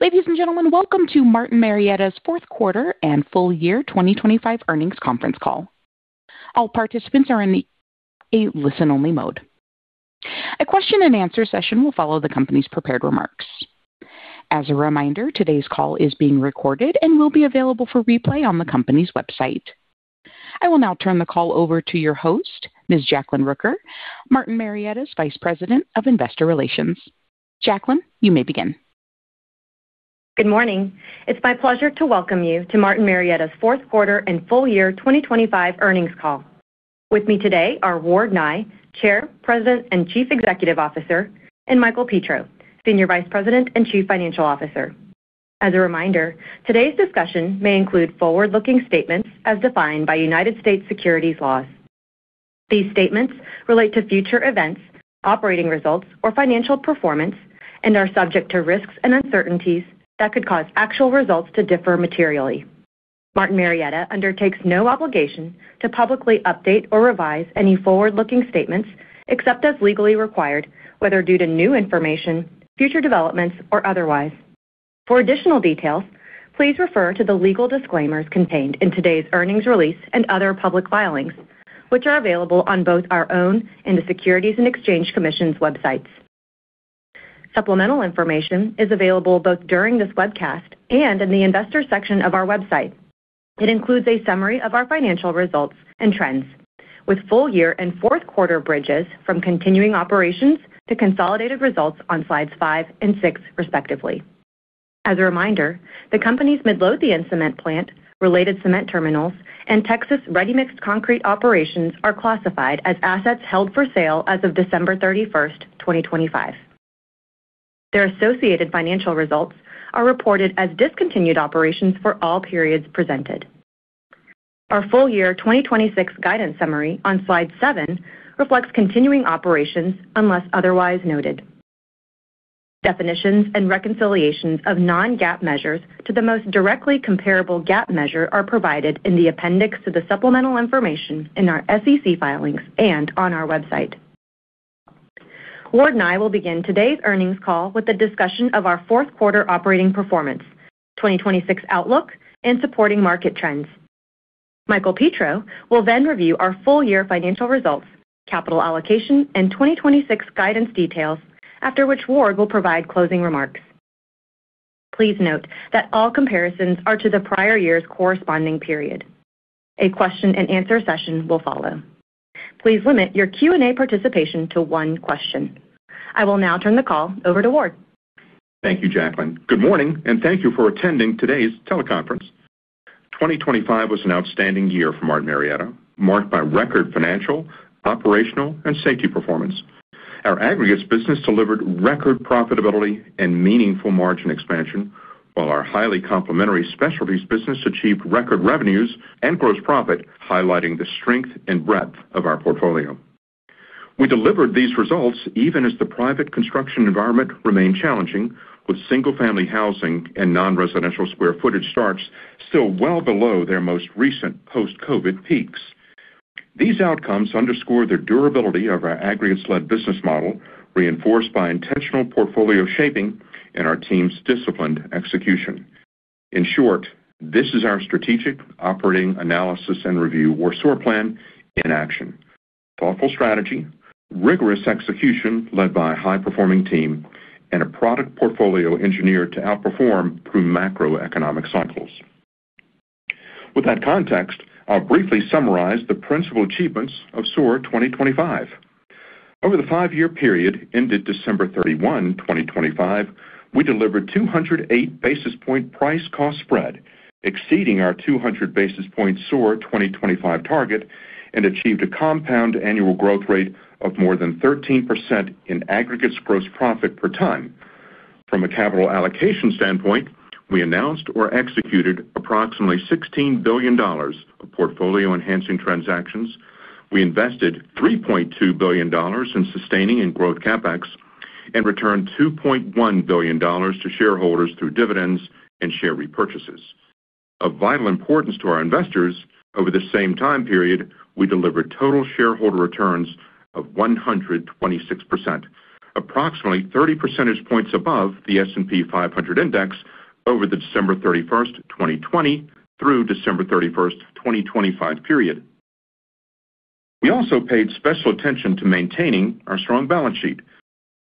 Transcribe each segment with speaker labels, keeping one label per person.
Speaker 1: Ladies and gentlemen, welcome to Martin Marietta's fourth quarter and full year 2025 earnings conference call. All participants are in a listen-only mode. A question-and-answer session will follow the company's prepared remarks. As a reminder, today's call is being recorded and will be available for replay on the company's website. I will now turn the call over to your host, Ms. Jacklyn Rooker, Martin Marietta's Vice President of Investor Relations. Jacklyn, you may begin.
Speaker 2: Good morning. It's my pleasure to welcome you to Martin Marietta's fourth quarter and full year 2025 earnings call. With me today are Ward Nye, Chair, President and Chief Executive Officer, and Michael Petro, Senior Vice President and Chief Financial Officer. As a reminder, today's discussion may include forward-looking statements as defined by United States securities laws. These statements relate to future events, operating results, or financial performance, and are subject to risks and uncertainties that could cause actual results to differ materially. Martin Marietta undertakes no obligation to publicly update or revise any forward-looking statements except as legally required, whether due to new information, future developments, or otherwise. For additional details, please refer to the legal disclaimers contained in today's earnings release and other public filings, which are available on both our own and the Securities and Exchange Commission's websites. Supplemental information is available both during this webcast and in the investor section of our website. It includes a summary of our financial results and trends, with full year and fourth quarter bridges from continuing operations to consolidated results on slides 5 and 6, respectively. As a reminder, the company's Midlothian cement plant, related cement terminals, and Texas ready-mixed concrete operations are classified as assets held for sale as of December 31st, 2025. Their associated financial results are reported as discontinued operations for all periods presented. Our full year 2026 guidance summary on slide 7 reflects continuing operations unless otherwise noted. Definitions and reconciliations of non-GAAP measures to the most directly comparable GAAP measure are provided in the appendix to the supplemental information in our SEC filings and on our website. Ward Nye will begin today's earnings call with the discussion of our fourth quarter operating performance, 2026 outlook, and supporting market trends. Michael Petro will then review our full year financial results, capital allocation, and 2026 guidance details, after which Ward will provide closing remarks. Please note that all comparisons are to the prior year's corresponding period. A question-and-answer session will follow. Please limit your Q&A participation to one question. I will now turn the call over to Ward.
Speaker 3: Thank you, Jacklyn. Good morning, and thank you for attending today's teleconference. 2025 was an outstanding year for Martin Marietta, marked by record financial, operational, and safety performance. Our aggregates business delivered record profitability and meaningful margin expansion, while our highly complementary specialties business achieved record revenues and gross profit, highlighting the strength and breadth of our portfolio. We delivered these results even as the private construction environment remained challenging, with single-family housing and non-residential square footage starts still well below their most recent post-COVID peaks. These outcomes underscore the durability of our aggregates-led business model, reinforced by intentional portfolio shaping and our team's disciplined execution. In short, this is our strategic operating analysis and review SOAR plan in action: thoughtful strategy, rigorous execution led by a high-performing team, and a product portfolio engineered to outperform through macroeconomic cycles. With that context, I'll briefly summarize the principal achievements of SOAR 2025. Over the five-year period ended December 31, 2025, we delivered 208 basis point price-cost spread, exceeding our 200 basis point SOAR 2025 target, and achieved a compound annual growth rate of more than 13% in aggregates gross profit per ton. From a capital allocation standpoint, we announced or executed approximately $16 billion of portfolio-enhancing transactions. We invested $3.2 billion in sustaining and growth CapEx and returned $2.1 billion to shareholders through dividends and share repurchases. Of vital importance to our investors, over the same time period, we delivered total shareholder returns of 126%, approximately 30 percentage points above the S&P 500 index over the December 31st, 2020, through December 31st, 2025 period. We also paid special attention to maintaining our strong balance sheet.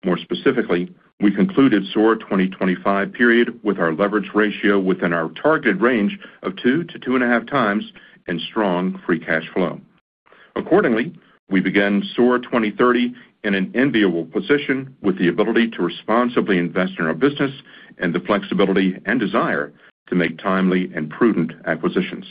Speaker 3: More specifically, we concluded SOAR 2025 period with our leverage ratio within our targeted range of 2-2.5 times and strong free cash flow. Accordingly, we began SOAR 2030 in an enviable position with the ability to responsibly invest in our business and the flexibility and desire to make timely and prudent acquisitions.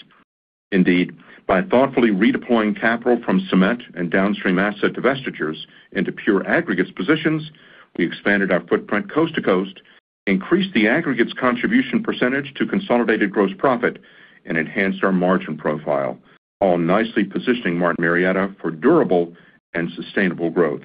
Speaker 3: Indeed, by thoughtfully redeploying capital from cement and downstream asset divestitures into pure aggregates positions, we expanded our footprint coast to coast, increased the aggregates contribution percentage to consolidated gross profit, and enhanced our margin profile, all nicely positioning Martin Marietta for durable and sustainable growth.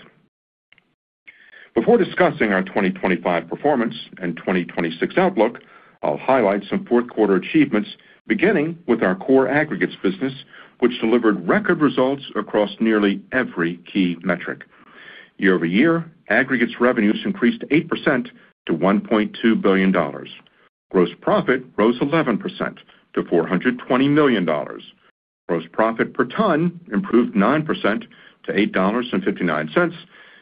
Speaker 3: Before discussing our 2025 performance and 2026 outlook, I'll highlight some fourth quarter achievements, beginning with our core aggregates business, which delivered record results across nearly every key metric. Year-over-year, aggregates revenues increased 8% to $1.2 billion. Gross profit rose 11% to $420 million. Gross profit per ton improved 9% to $8.59,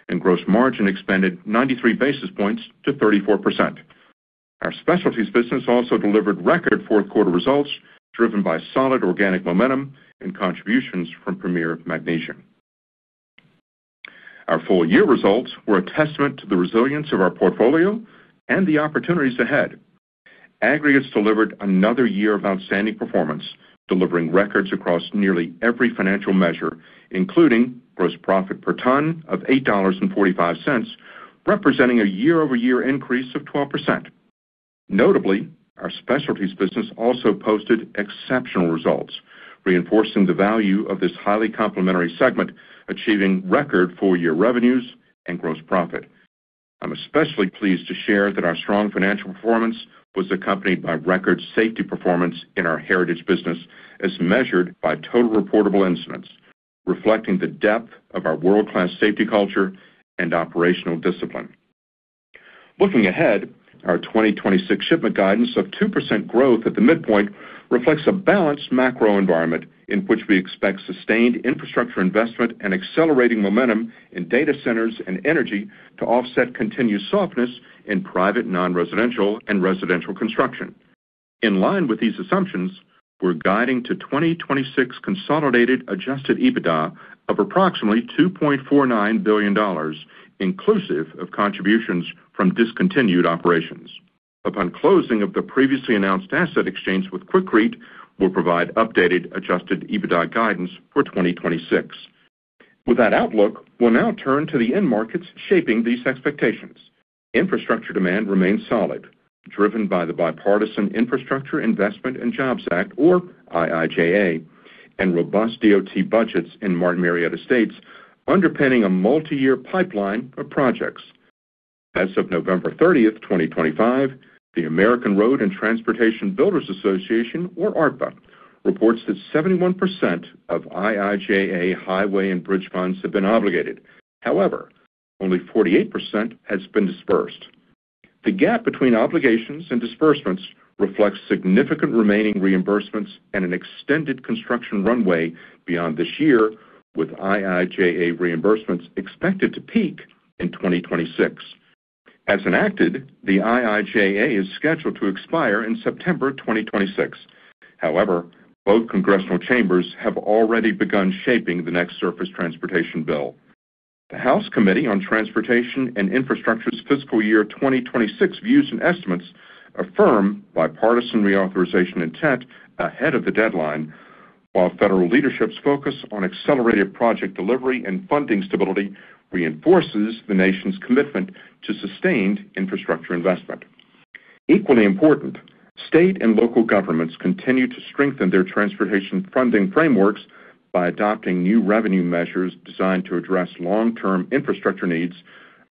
Speaker 3: and gross margin expanded 93 basis points to 34%. Our specialties business also delivered record fourth quarter results driven by solid organic momentum and contributions from Premier Magnesia. Our full year results were a testament to the resilience of our portfolio and the opportunities ahead. Aggregates delivered another year of outstanding performance, delivering records across nearly every financial measure, including gross profit per ton of $8.45, representing a year-over-year increase of 12%. Notably, our specialties business also posted exceptional results, reinforcing the value of this highly complementary segment, achieving record full year revenues and gross profit. I'm especially pleased to share that our strong financial performance was accompanied by record safety performance in our heritage business as measured by total reportable incidents, reflecting the depth of our world-class safety culture and operational discipline. Looking ahead, our 2026 shipment guidance of 2% growth at the midpoint reflects a balanced macro environment in which we expect sustained infrastructure investment and accelerating momentum in data centers and energy to offset continued softness in private non-residential and residential construction. In line with these assumptions, we're guiding to 2026 consolidated Adjusted EBITDA of approximately $2.49 billion, inclusive of contributions from discontinued operations. Upon closing of the previously announced asset exchange with Quikrete, we'll provide updated Adjusted EBITDA guidance for 2026. With that outlook, we'll now turn to the end markets shaping these expectations. Infrastructure demand remains solid, driven by the Bipartisan Infrastructure Investment and Jobs Act, or IIJA, and robust DOT budgets in Martin Marietta states, underpinning a multi-year pipeline of projects. As of November 30th, 2025, the American Road and Transportation Builders Association, or ARTBA, reports that 71% of IIJA highway and bridge funds have been obligated. However, only 48% has been dispersed. The gap between obligations and disbursements reflects significant remaining reimbursements and an extended construction runway beyond this year, with IIJA reimbursements expected to peak in 2026. As enacted, the IIJA is scheduled to expire in September 2026. However, both congressional chambers have already begun shaping the next surface transportation bill. The House Committee on Transportation and Infrastructure's fiscal year 2026 views and estimates affirm bipartisan reauthorization intent ahead of the deadline, while federal leadership's focus on accelerated project delivery and funding stability reinforces the nation's commitment to sustained infrastructure investment. Equally important, state and local governments continue to strengthen their transportation funding frameworks by adopting new revenue measures designed to address long-term infrastructure needs,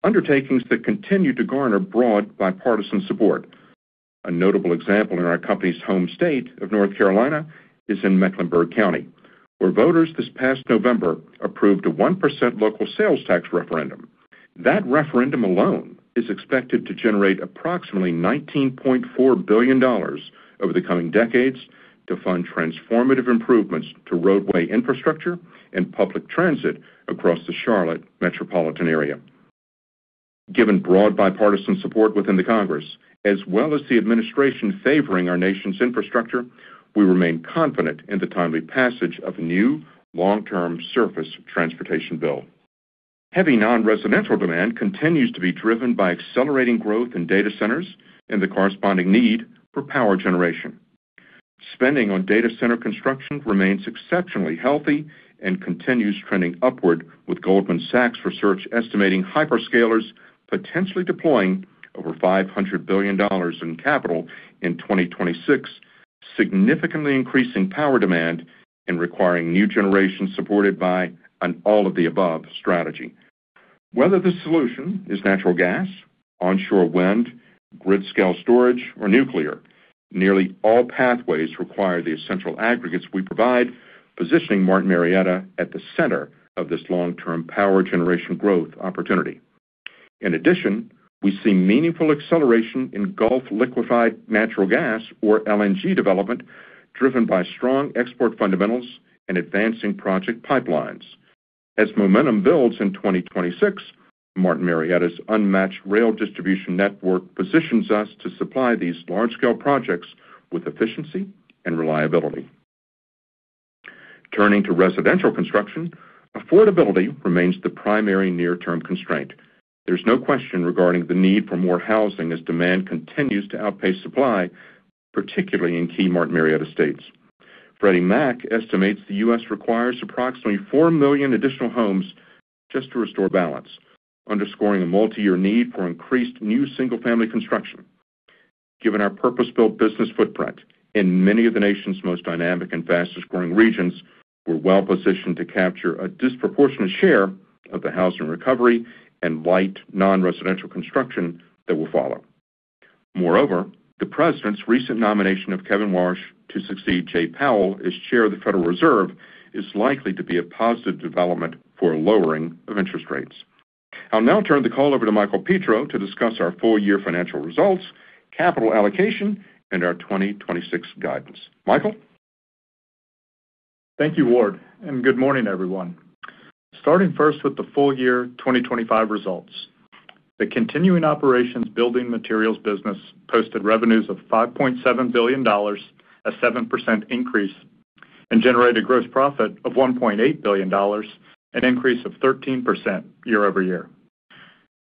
Speaker 3: undertakings that continue to garner broad bipartisan support. A notable example in our company's home state of North Carolina is in Mecklenburg County, where voters this past November approved a 1% local sales tax referendum. That referendum alone is expected to generate approximately $19.4 billion over the coming decades to fund transformative improvements to roadway infrastructure and public transit across the Charlotte metropolitan area. Given broad bipartisan support within the Congress, as well as the administration favoring our nation's infrastructure, we remain confident in the timely passage of a new long-term surface transportation bill. Heavy non-residential demand continues to be driven by accelerating growth in data centers and the corresponding need for power generation. Spending on data center construction remains exceptionally healthy and continues trending upward, with Goldman Sachs Research estimating hyperscalers potentially deploying over $500 billion in capital in 2026, significantly increasing power demand and requiring new generation supported by an all-of-the-above strategy. Whether the solution is natural gas, onshore wind, grid-scale storage, or nuclear, nearly all pathways require the essential aggregates we provide, positioning Martin Marietta at the center of this long-term power generation growth opportunity. In addition, we see meaningful acceleration in Gulf Liquefied Natural Gas, or LNG, development driven by strong export fundamentals and advancing project pipelines. As momentum builds in 2026, Martin Marietta's unmatched rail distribution network positions us to supply these large-scale projects with efficiency and reliability. Turning to residential construction, affordability remains the primary near-term constraint. There's no question regarding the need for more housing as demand continues to outpace supply, particularly in key Martin Marietta states. Freddie Mac estimates the U.S. requires approximately 4 million additional homes just to restore balance, underscoring a multi-year need for increased new single-family construction. Given our purpose-built business footprint in many of the nation's most dynamic and fastest-growing regions, we're well positioned to capture a disproportionate share of the housing recovery and light non-residential construction that will follow. Moreover, the president's recent nomination of Kevin Warsh to succeed J. Powell as Chair of the Federal Reserve is likely to be a positive development for a lowering of interest rates. I'll now turn the call over to Michael Petro to discuss our full year financial results, capital allocation, and our 2026 guidance. Michael?
Speaker 4: Thank you, Ward, and good morning, everyone. Starting first with the full year 2025 results, the continuing operations building materials business posted revenues of $5.7 billion, a 7% increase, and generated gross profit of $1.8 billion, an increase of 13% year over year.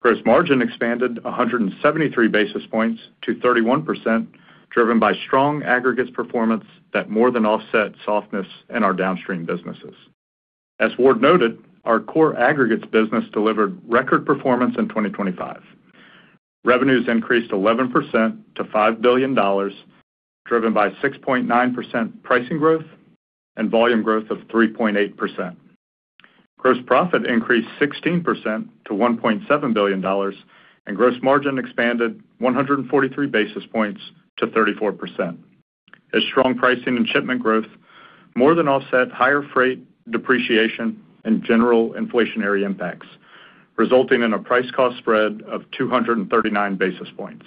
Speaker 4: Gross margin expanded 173 basis points to 31%, driven by strong aggregates performance that more than offset softness in our downstream businesses. As Ward noted, our core aggregates business delivered record performance in 2025. Revenues increased 11% to $5 billion, driven by 6.9% pricing growth and volume growth of 3.8%. Gross profit increased 16% to $1.7 billion, and gross margin expanded 143 basis points to 34%. As strong pricing and shipment growth more than offset higher freight depreciation and general inflationary impacts, resulting in a price-cost spread of 239 basis points.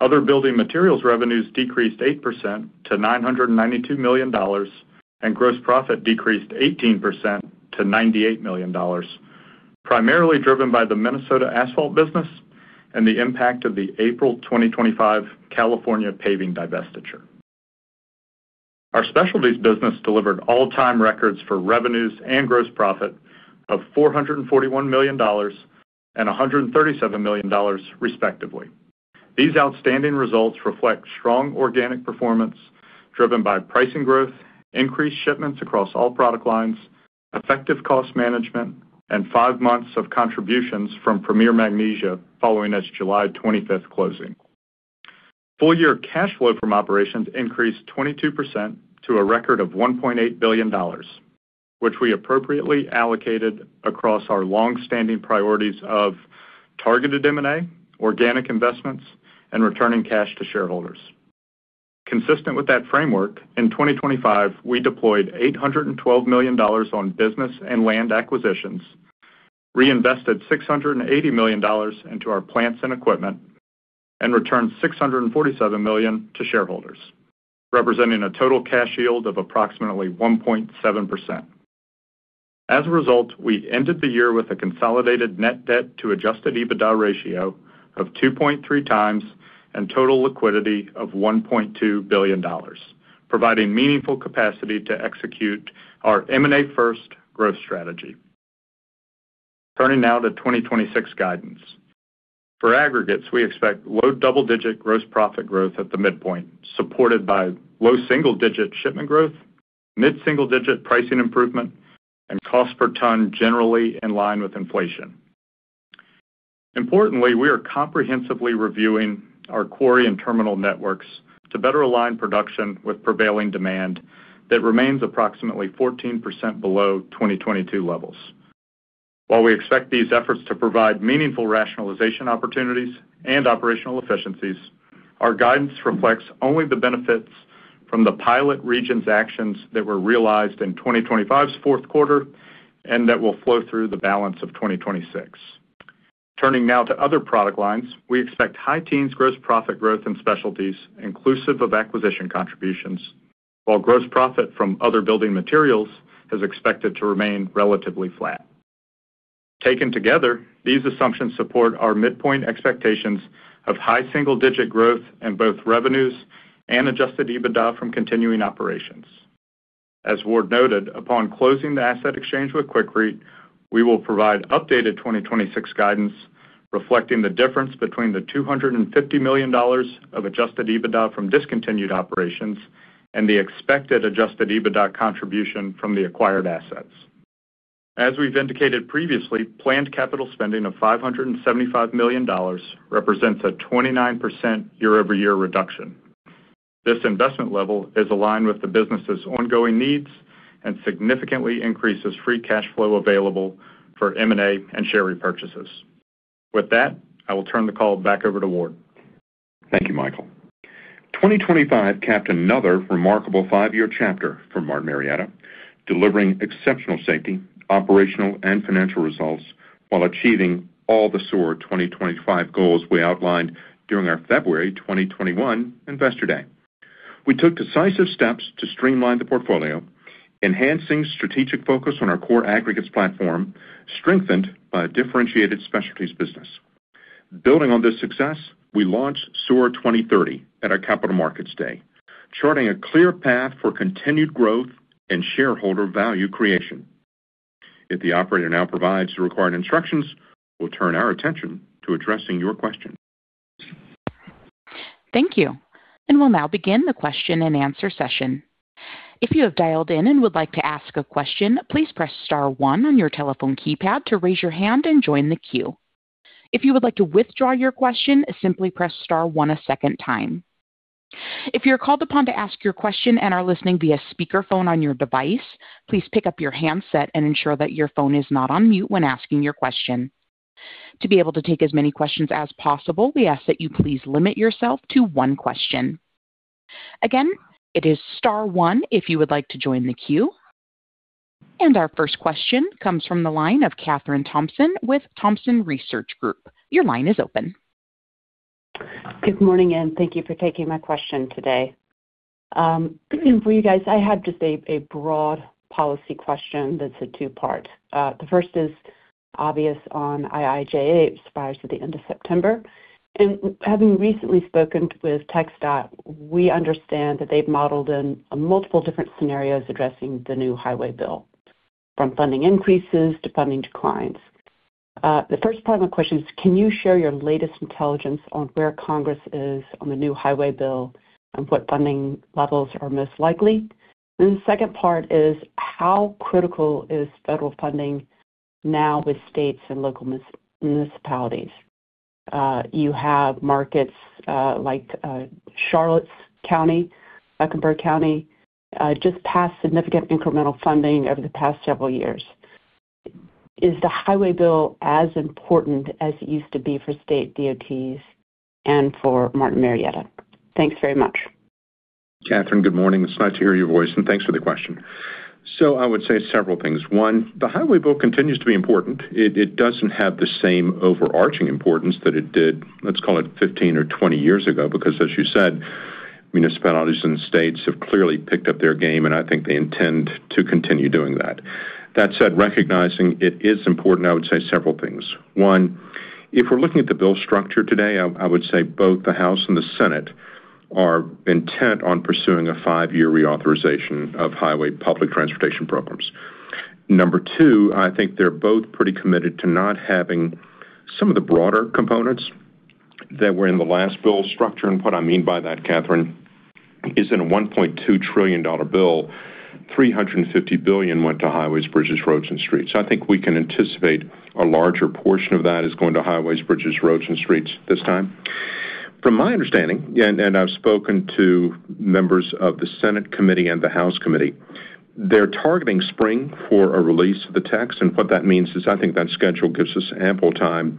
Speaker 4: Other building materials revenues decreased 8% to $992 million, and gross profit decreased 18% to $98 million, primarily driven by the Minnesota asphalt business and the impact of the April 2025 California paving divestiture. Our specialties business delivered all-time records for revenues and gross profit of $441 million and $137 million, respectively. These outstanding results reflect strong organic performance driven by pricing growth, increased shipments across all product lines, effective cost management, and five months of contributions from Premier Magnesia following its July 25th closing. Full year cash flow from operations increased 22% to a record of $1.8 billion, which we appropriately allocated across our longstanding priorities of targeted M&A, organic investments, and returning cash to shareholders. Consistent with that framework, in 2025, we deployed $812 million on business and land acquisitions, reinvested $680 million into our plants and equipment, and returned $647 million to shareholders, representing a total cash yield of approximately 1.7%. As a result, we ended the year with a consolidated net debt to Adjusted EBITDA ratio of 2.3 times and total liquidity of $1.2 billion, providing meaningful capacity to execute our M&A-first growth strategy. Turning now to 2026 guidance. For aggregates, we expect low double-digit gross profit growth at the midpoint, supported by low single-digit shipment growth, mid-single-digit pricing improvement, and cost per ton generally in line with inflation. Importantly, we are comprehensively reviewing our quarry and terminal networks to better align production with prevailing demand that remains approximately 14% below 2022 levels. While we expect these efforts to provide meaningful rationalization opportunities and operational efficiencies, our guidance reflects only the benefits from the pilot region's actions that were realized in 2025's fourth quarter and that will flow through the balance of 2026. Turning now to other product lines, we expect high teens gross profit growth in specialties, inclusive of acquisition contributions, while gross profit from other building materials is expected to remain relatively flat. Taken together, these assumptions support our midpoint expectations of high single-digit growth in both revenues and Adjusted EBITDA from continuing operations. As Ward noted, upon closing the asset exchange with Quikrete, we will provide updated 2026 guidance reflecting the difference between the $250 million of Adjusted EBITDA from discontinued operations and the expected Adjusted EBITDA contribution from the acquired assets. As we've indicated previously, planned capital spending of $575 million represents a 29% year-over-year reduction. This investment level is aligned with the business's ongoing needs and significantly increases free cash flow available for M&A and share repurchases. With that, I will turn the call back over to Ward.
Speaker 3: Thank you, Michael. 2025 capped another remarkable five-year chapter for Martin Marietta, delivering exceptional safety, operational, and financial results while achieving all the SOAR 2025 goals we outlined during our February 2021 investor day. We took decisive steps to streamline the portfolio, enhancing strategic focus on our core aggregates platform, strengthened by a differentiated specialties business. Building on this success, we launched SOAR 2030 at our Capital Markets Day, charting a clear path for continued growth and shareholder value creation. If the operator now provides the required instructions, we'll turn our attention to addressing your question.
Speaker 1: Thank you. We'll now begin the question-and-answer session. If you have dialed in and would like to ask a question, please press star one on your telephone keypad to raise your hand and join the queue. If you would like to withdraw your question, simply press star one a second time. If you're called upon to ask your question and are listening via speakerphone on your device, please pick up your handset and ensure that your phone is not on mute when asking your question. To be able to take as many questions as possible, we ask that you please limit yourself to one question. Again, it is star one if you would like to join the queue. Our first question comes from the line of Kathryn Thompson with Thompson Research Group. Your line is open.
Speaker 5: Good morning, and thank you for taking my question today. For you guys, I had just a broad policy question that's a two-part. The first is obvious on IIJA; it expires at the end of September. And having recently spoken with TxDOT, we understand that they've modeled in multiple different scenarios addressing the new highway bill, from funding increases to funding declines. The first part of my question is, can you share your latest intelligence on where Congress is on the new highway bill and what funding levels are most likely? And the second part is, how critical is federal funding now with states and local municipalities? You have markets like Charlotte County, Mecklenburg County, just passed significant incremental funding over the past several years. Is the highway bill as important as it used to be for state DOTs and for Martin Marietta? Thanks very much.
Speaker 3: Kathryn, good morning. It's nice to hear your voice, and thanks for the question. So I would say several things. One, the highway bill continues to be important. It doesn't have the same overarching importance that it did, let's call it, 15 or 20 years ago because, as you said, municipalities and states have clearly picked up their game, and I think they intend to continue doing that. That said, recognizing it is important, I would say several things. One, if we're looking at the bill structure today, I would say both the House and the Senate are intent on pursuing a five-year reauthorization of highway public transportation programs. Number two, I think they're both pretty committed to not having some of the broader components that were in the last bill structure. What I mean by that, Katherine, is in a $1.2 trillion bill, $350 billion went to highways, bridges, roads, and streets. So I think we can anticipate a larger portion of that is going to highways, bridges, roads, and streets this time. From my understanding, and I've spoken to members of the Senate Committee and the House Committee, they're targeting spring for a release of the text. And what that means is I think that schedule gives us ample time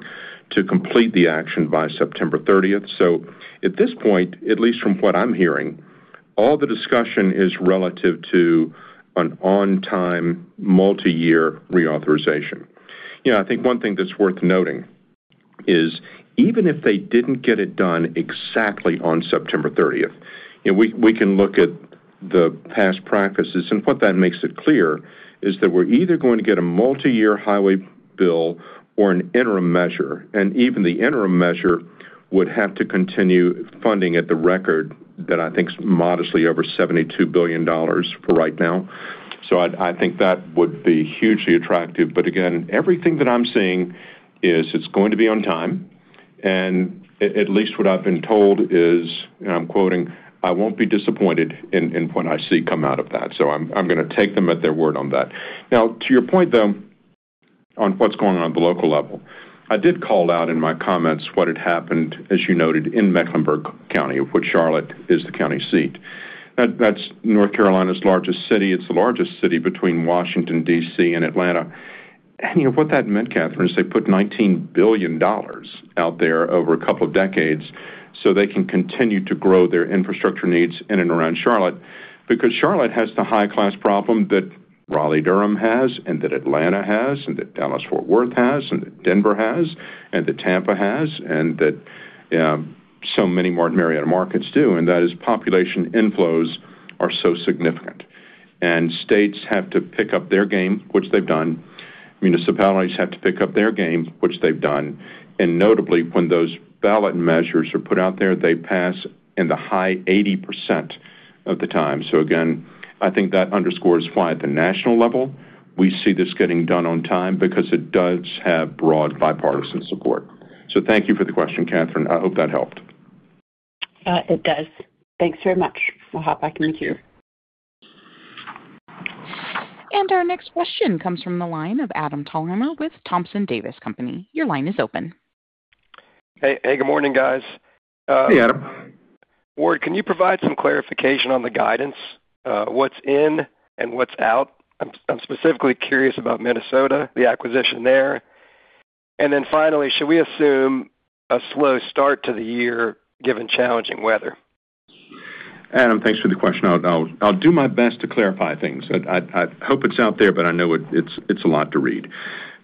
Speaker 3: to complete the action by September 30th. So at this point, at least from what I'm hearing, all the discussion is relative to an on-time, multi-year reauthorization. I think one thing that's worth noting is even if they didn't get it done exactly on September 30th, we can look at the past practices. And what that makes it clear is that we're either going to get a multi-year highway bill or an interim measure. And even the interim measure would have to continue funding at the record that I think it's modestly over $72 billion for right now. So I think that would be hugely attractive. But again, everything that I'm seeing is it's going to be on time. And at least what I've been told is, and I'm quoting, "I won't be disappointed in what I see come out of that." So I'm going to take them at their word on that. Now, to your point, though, on what's going on at the local level, I did call out in my comments what had happened, as you noted, in Mecklenburg County, of which Charlotte is the county seat. That's North Carolina's largest city. It's the largest city between Washington, D.C., and Atlanta. What that meant, Kathryn, is they put $19 billion out there over a couple of decades so they can continue to grow their infrastructure needs in and around Charlotte because Charlotte has the high-class problem that Raleigh-Durham has and that Atlanta has and that Dallas-Fort Worth has and that Denver has and that Tampa has and that so many Martin Marietta markets do. That is population inflows are so significant. States have to pick up their game, which they've done. Municipalities have to pick up their game, which they've done. Notably, when those ballot measures are put out there, they pass in the high 80% of the time. So again, I think that underscores why at the national level, we see this getting done on time because it does have broad bipartisan support. So thank you for the question, Kathryn. I hope that helped.
Speaker 5: It does. Thanks very much. I'll hop back in the queue.
Speaker 1: Our next question comes from the line of Adam Thalhimer with Thompson Davis & Company. Your line is open.
Speaker 6: Hey, good morning, guys.
Speaker 3: Hey, Adam.
Speaker 6: Ward, can you provide some clarification on the guidance, what's in and what's out? I'm specifically curious about Minnesota, the acquisition there. And then finally, should we assume a slow start to the year given challenging weather?
Speaker 3: Adam, thanks for the question. I'll do my best to clarify things. I hope it's out there, but I know it's a lot to read.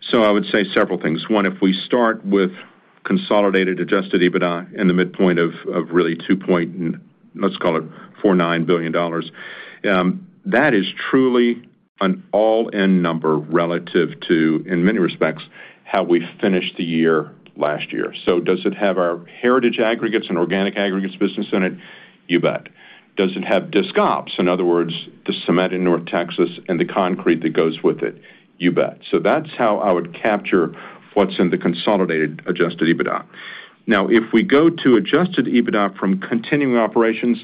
Speaker 3: So I would say several things. One, if we start with consolidated Adjusted EBITDA in the midpoint of really $2.9 billion, that is truly an all-in number relative to, in many respects, how we finished the year last year. So does it have our heritage aggregates and organic aggregates business in it? You bet. Does it have disc ops, in other words, the cement in North Texas and the concrete that goes with it? You bet. So that's how I would capture what's in the consolidated Adjusted EBITDA. Now, if we go to Adjusted EBITDA from continuing operations,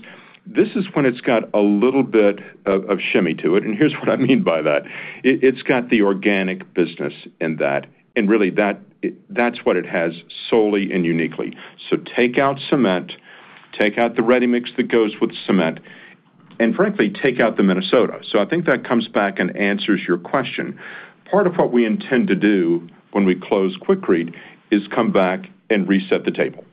Speaker 3: this is when it's got a little bit of shimmy to it. And here's what I mean by that. It's got the organic business in that. Really, that's what it has solely and uniquely. Take out cement, take out the ready mix that goes with cement, and frankly, take out the Minnesota. I think that comes back and answers your question. Part of what we intend to do when we close Quikrete is come back and reset the table.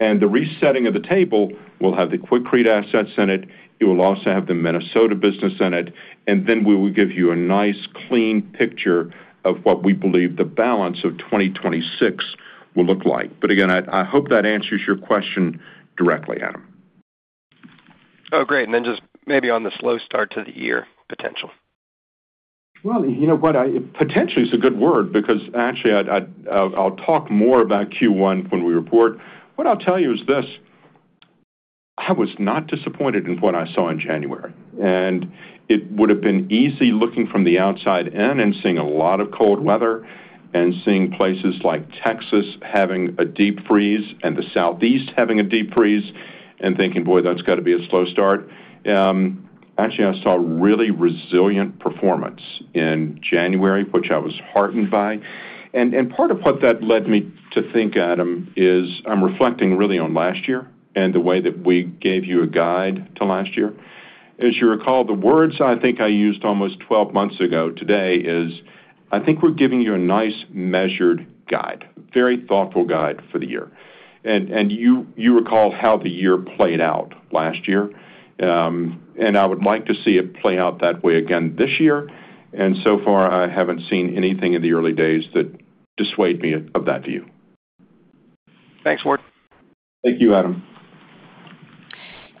Speaker 3: The resetting of the table, we'll have the Quikrete assets in it. It will also have the Minnesota business in it. Then we will give you a nice, clean picture of what we believe the balance of 2026 will look like. Again, I hope that answers your question directly, Adam.
Speaker 6: Oh, great. And then just maybe on the slow start to the year potential.
Speaker 3: Well, you know what? Potentially is a good word because actually, I'll talk more about Q1 when we report. What I'll tell you is this. I was not disappointed in what I saw in January. And it would have been easy looking from the outside in and seeing a lot of cold weather and seeing places like Texas having a deep freeze and the Southeast having a deep freeze and thinking, "Boy, that's got to be a slow start." Actually, I saw really resilient performance in January, which I was heartened by. And part of what that led me to think, Adam, is I'm reflecting really on last year and the way that we gave you a guide to last year. As you recall, the words I think I used almost 12 months ago today is, "I think we're giving you a nice, measured guide, a very thoughtful guide for the year." And you recall how the year played out last year. And I would like to see it play out that way again this year. And so far, I haven't seen anything in the early days that dissuaded me of that view.
Speaker 6: Thanks, Ward.
Speaker 3: Thank you, Adam.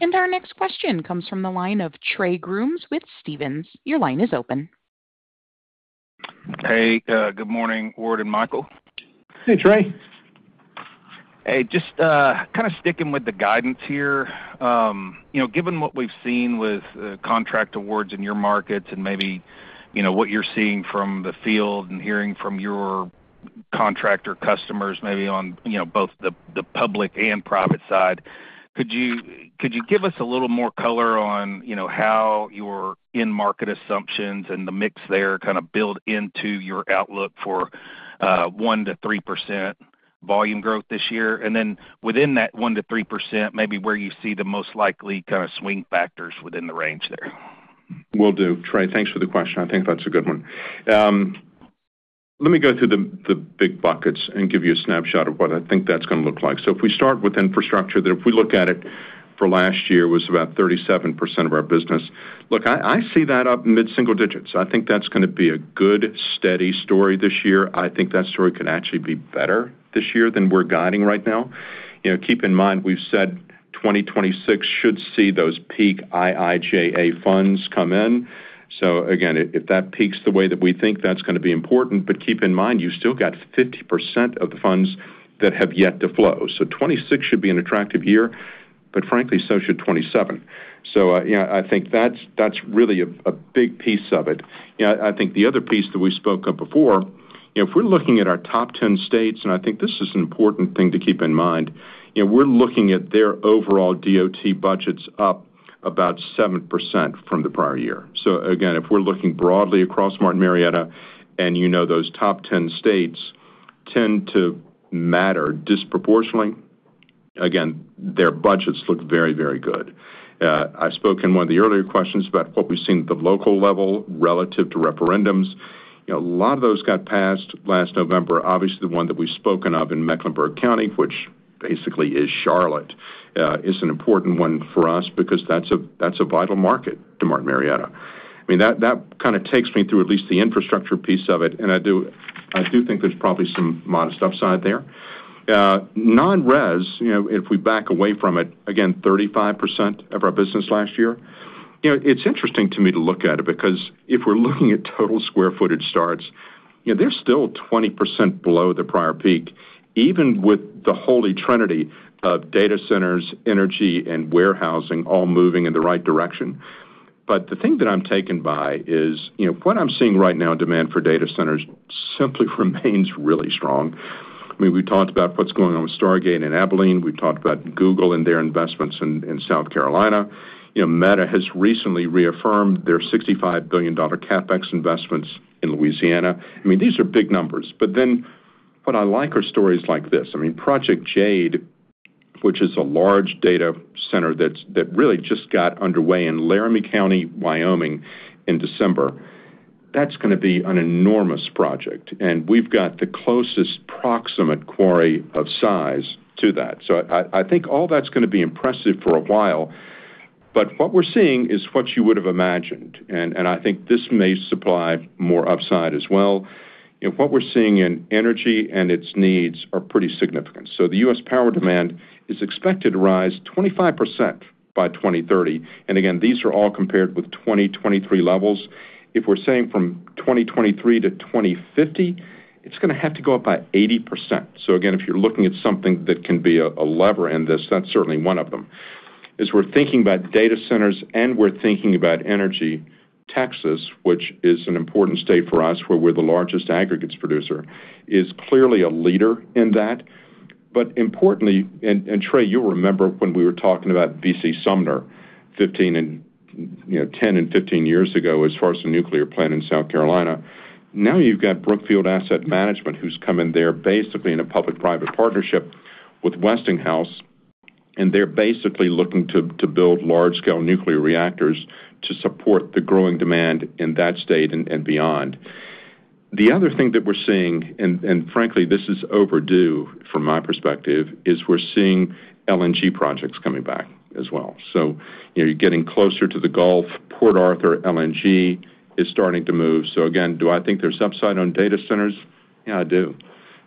Speaker 1: And our next question comes from the line of Trey Grooms with Stephens. Your line is open.
Speaker 7: Hey, good morning, Ward and Michael.
Speaker 4: Hey, Trey.
Speaker 7: Hey, just kind of sticking with the guidance here. Given what we've seen with contract awards in your markets and maybe what you're seeing from the field and hearing from your contractor customers, maybe on both the public and private side, could you give us a little more color on how your in-market assumptions and the mix there kind of build into your outlook for 1%-3% volume growth this year? And then within that 1%-3%, maybe where you see the most likely kind of swing factors within the range there?
Speaker 3: Will do. Trey, thanks for the question. I think that's a good one. Let me go through the big buckets and give you a snapshot of what I think that's going to look like. So if we start with infrastructure, then if we look at it for last year, it was about 37% of our business. Look, I see that up mid-single digits. I think that's going to be a good, steady story this year. I think that story could actually be better this year than we're guiding right now. Keep in mind, we've said 2026 should see those peak IIJA funds come in. So again, if that peaks the way that we think, that's going to be important. But keep in mind, you still got 50% of the funds that have yet to flow. So 2026 should be an attractive year, but frankly, so should 2027. So I think that's really a big piece of it. I think the other piece that we spoke of before, if we're looking at our top 10 states, and I think this is an important thing to keep in mind, we're looking at their overall DOT budgets up about 7% from the prior year. So again, if we're looking broadly across Martin Marietta and you know those top 10 states tend to matter disproportionately, again, their budgets look very, very good. I've spoken in one of the earlier questions about what we've seen at the local level relative to referendums. A lot of those got passed last November. Obviously, the one that we've spoken of in Mecklenburg County, which basically is Charlotte, is an important one for us because that's a vital market to Martin Marietta. I mean, that kind of takes me through at least the infrastructure piece of it. I do think there's probably some modest upside there. Non-res, if we back away from it, again, 35% of our business last year. It's interesting to me to look at it because if we're looking at total square footage starts, they're still 20% below the prior peak, even with the holy trinity of data centers, energy, and warehousing all moving in the right direction. But the thing that I'm taken by is what I'm seeing right now in demand for data centers, simply remains really strong. I mean, we've talked about what's going on with Stargate and Abilene. We've talked about Google and their investments in South Carolina. Meta has recently reaffirmed their $65 billion CapEx investments in Louisiana. I mean, these are big numbers. But then what I like are stories like this. I mean, Project Jade, which is a large data center that really just got underway in Laramie County, Wyoming, in December, that's going to be an enormous project. And we've got the closest proximate quarry of size to that. So I think all that's going to be impressive for a while. But what we're seeing is what you would have imagined. And I think this may supply more upside as well. What we're seeing in energy and its needs are pretty significant. So the U.S. power demand is expected to rise 25% by 2030. And again, these are all compared with 2023 levels. If we're saying from 2023 to 2050, it's going to have to go up by 80%. So again, if you're looking at something that can be a lever in this, that's certainly one of them, is we're thinking about data centers and we're thinking about energy. Texas, which is an important state for us where we're the largest aggregates producer, is clearly a leader in that. But importantly, and Trey, you'll remember when we were talking about V.C. Summer 10 and 15 years ago as far as the nuclear plant in South Carolina, now you've got Brookfield Asset Management who's come in there basically in a public-private partnership with Westinghouse. And they're basically looking to build large-scale nuclear reactors to support the growing demand in that state and beyond. The other thing that we're seeing, and frankly, this is overdue from my perspective, is we're seeing LNG projects coming back as well. So you're getting closer to the Gulf. Port Arthur LNG is starting to move. So again, do I think there's upside on data centers? Yeah, I do.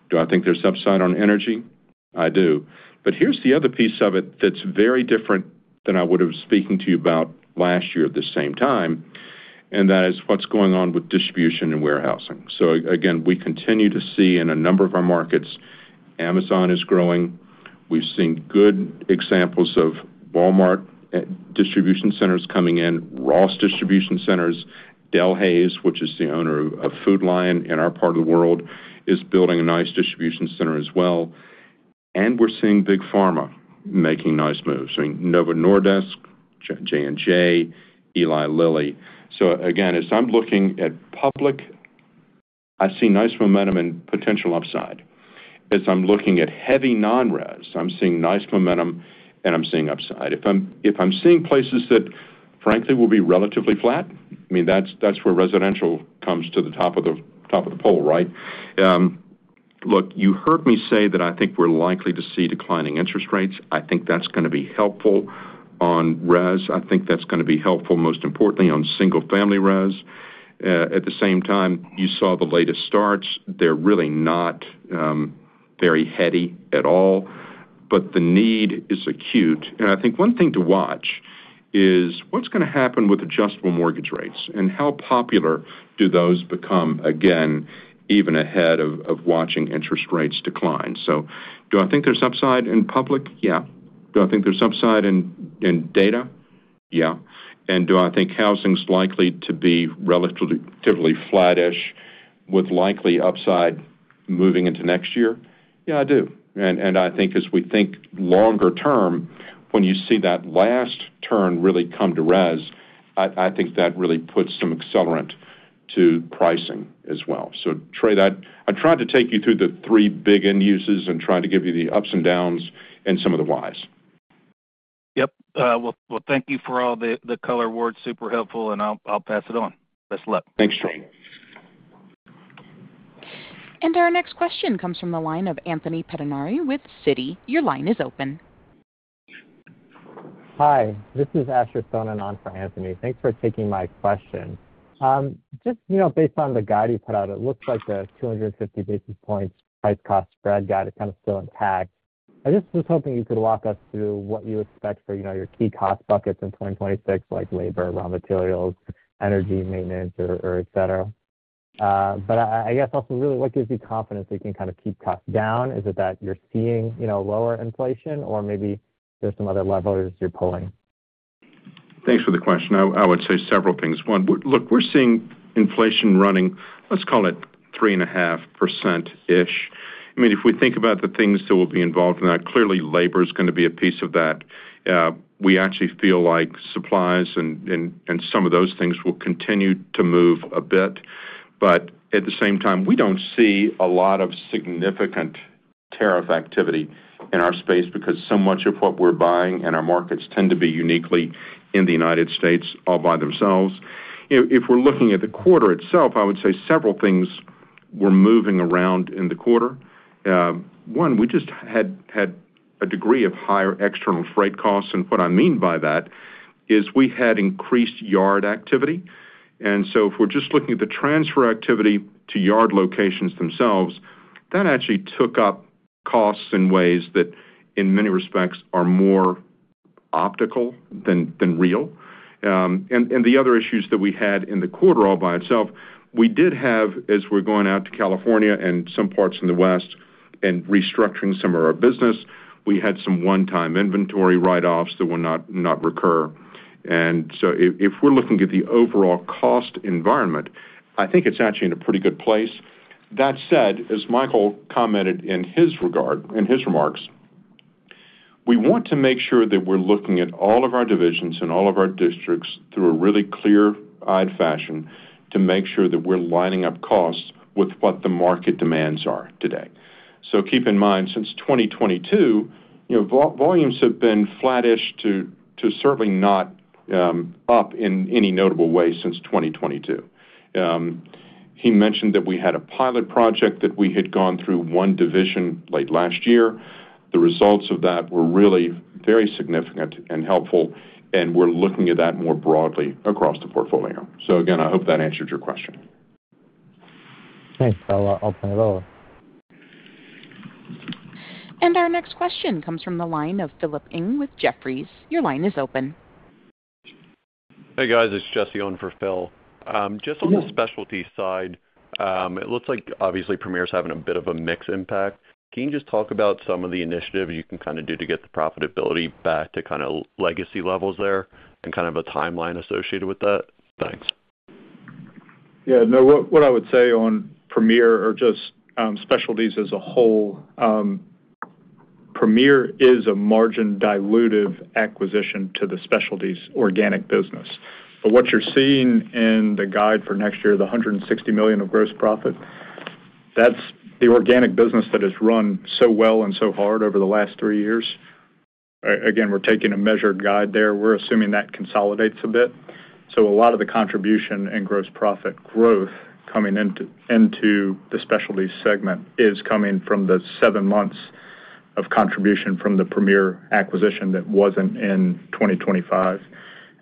Speaker 3: Do I think there's upside on energy? I do. But here's the other piece of it that's very different than I would have been speaking to you about last year at the same time. And that is what's going on with distribution and warehousing. So again, we continue to see in a number of our markets, Amazon is growing. We've seen good examples of Walmart distribution centers coming in, Ross distribution centers, Delhaize, which is the owner of Food Lion in our part of the world, is building a nice distribution center as well. And we're seeing Big Pharma making nice moves. I mean, Novo Nordisk, J&J, Eli Lilly. So again, as I'm looking at public, I see nice momentum and potential upside. As I'm looking at heavy non-res, I'm seeing nice momentum and I'm seeing upside. If I'm seeing places that frankly will be relatively flat, I mean, that's where residential comes to the top of the pole, right? Look, you heard me say that I think we're likely to see declining interest rates. I think that's going to be helpful on res. I think that's going to be helpful, most importantly, on single-family res. At the same time, you saw the latest starts. They're really not very heady at all. But the need is acute. And I think one thing to watch is what's going to happen with adjustable mortgage rates and how popular do those become, again, even ahead of watching interest rates decline. So do I think there's upside in public? Yeah. Do I think there's upside in data? Yeah. And do I think housing's likely to be relatively flat-ish with likely upside moving into next year? Yeah, I do. And I think as we think longer term, when you see that last turn really come to res, I think that really puts some accelerant to pricing as well. So Trey, I tried to take you through the three big end uses and tried to give you the ups and downs and some of the whys.
Speaker 7: Yep. Well, thank you for all the color, Ward. Super helpful. And I'll pass it on. Best luck.
Speaker 3: Thanks, Trey.
Speaker 1: Our next question comes from the line of Anthony Pettinari with Citi. Your line is open.
Speaker 8: Hi. This is Asher Sohnen and on for Anthony. Thanks for taking my question. Just based on the guide you put out, it looks like the 250 basis points price-cost spread guide is kind of still intact. I just was hoping you could walk us through what you expect for your key cost buckets in 2026, like labor, raw materials, energy, maintenance, etc. But I guess also really, what gives you confidence that you can kind of keep costs down? Is it that you're seeing lower inflation, or maybe there's some other levers you're pulling?
Speaker 3: Thanks for the question. I would say several things. One, look, we're seeing inflation running, let's call it 3.5%-ish. I mean, if we think about the things that will be involved in that, clearly, labor is going to be a piece of that. We actually feel like supplies and some of those things will continue to move a bit. But at the same time, we don't see a lot of significant tariff activity in our space because so much of what we're buying in our markets tend to be uniquely in the United States all by themselves. If we're looking at the quarter itself, I would say several things were moving around in the quarter. One, we just had a degree of higher external freight costs. And what I mean by that is we had increased yard activity. And so if we're just looking at the transfer activity to yard locations themselves, that actually took up costs in ways that, in many respects, are more optical than real. And the other issues that we had in the quarter all by itself, we did have, as we're going out to California and some parts in the West and restructuring some of our business, we had some one-time inventory write-offs that will not recur. And so if we're looking at the overall cost environment, I think it's actually in a pretty good place. That said, as Michael commented in his remarks, we want to make sure that we're looking at all of our divisions and all of our districts through a really clear-eyed fashion to make sure that we're lining up costs with what the market demands are today. So keep in mind, since 2022, volumes have been flat-ish to certainly not up in any notable way since 2022. He mentioned that we had a pilot project that we had gone through one division late last year. The results of that were really very significant and helpful. And we're looking at that more broadly across the portfolio. So again, I hope that answered your question.
Speaker 8: Thanks. I'll turn it over.
Speaker 1: Our next question comes from the line of Philip Ng with Jefferies. Your line is open.
Speaker 9: Hey guys, it's Jesse Owen for Phil. Just on the specialty side, it looks like, obviously, Premier is having a bit of a mixed impact. Can you just talk about some of the initiatives you can kind of do to get the profitability back to kind of legacy levels there and kind of a timeline associated with that? Thanks.
Speaker 4: Yeah. No, what I would say on Premier or just specialties as a whole, Premier is a margin dilutive acquisition to the specialties organic business. But what you're seeing in the guide for next year, the $160 million of gross profit, that's the organic business that has run so well and so hard over the last three years. Again, we're taking a measured guide there. We're assuming that consolidates a bit. So a lot of the contribution and gross profit growth coming into the specialty segment is coming from the seven months of contribution from the Premier acquisition that wasn't in 2025.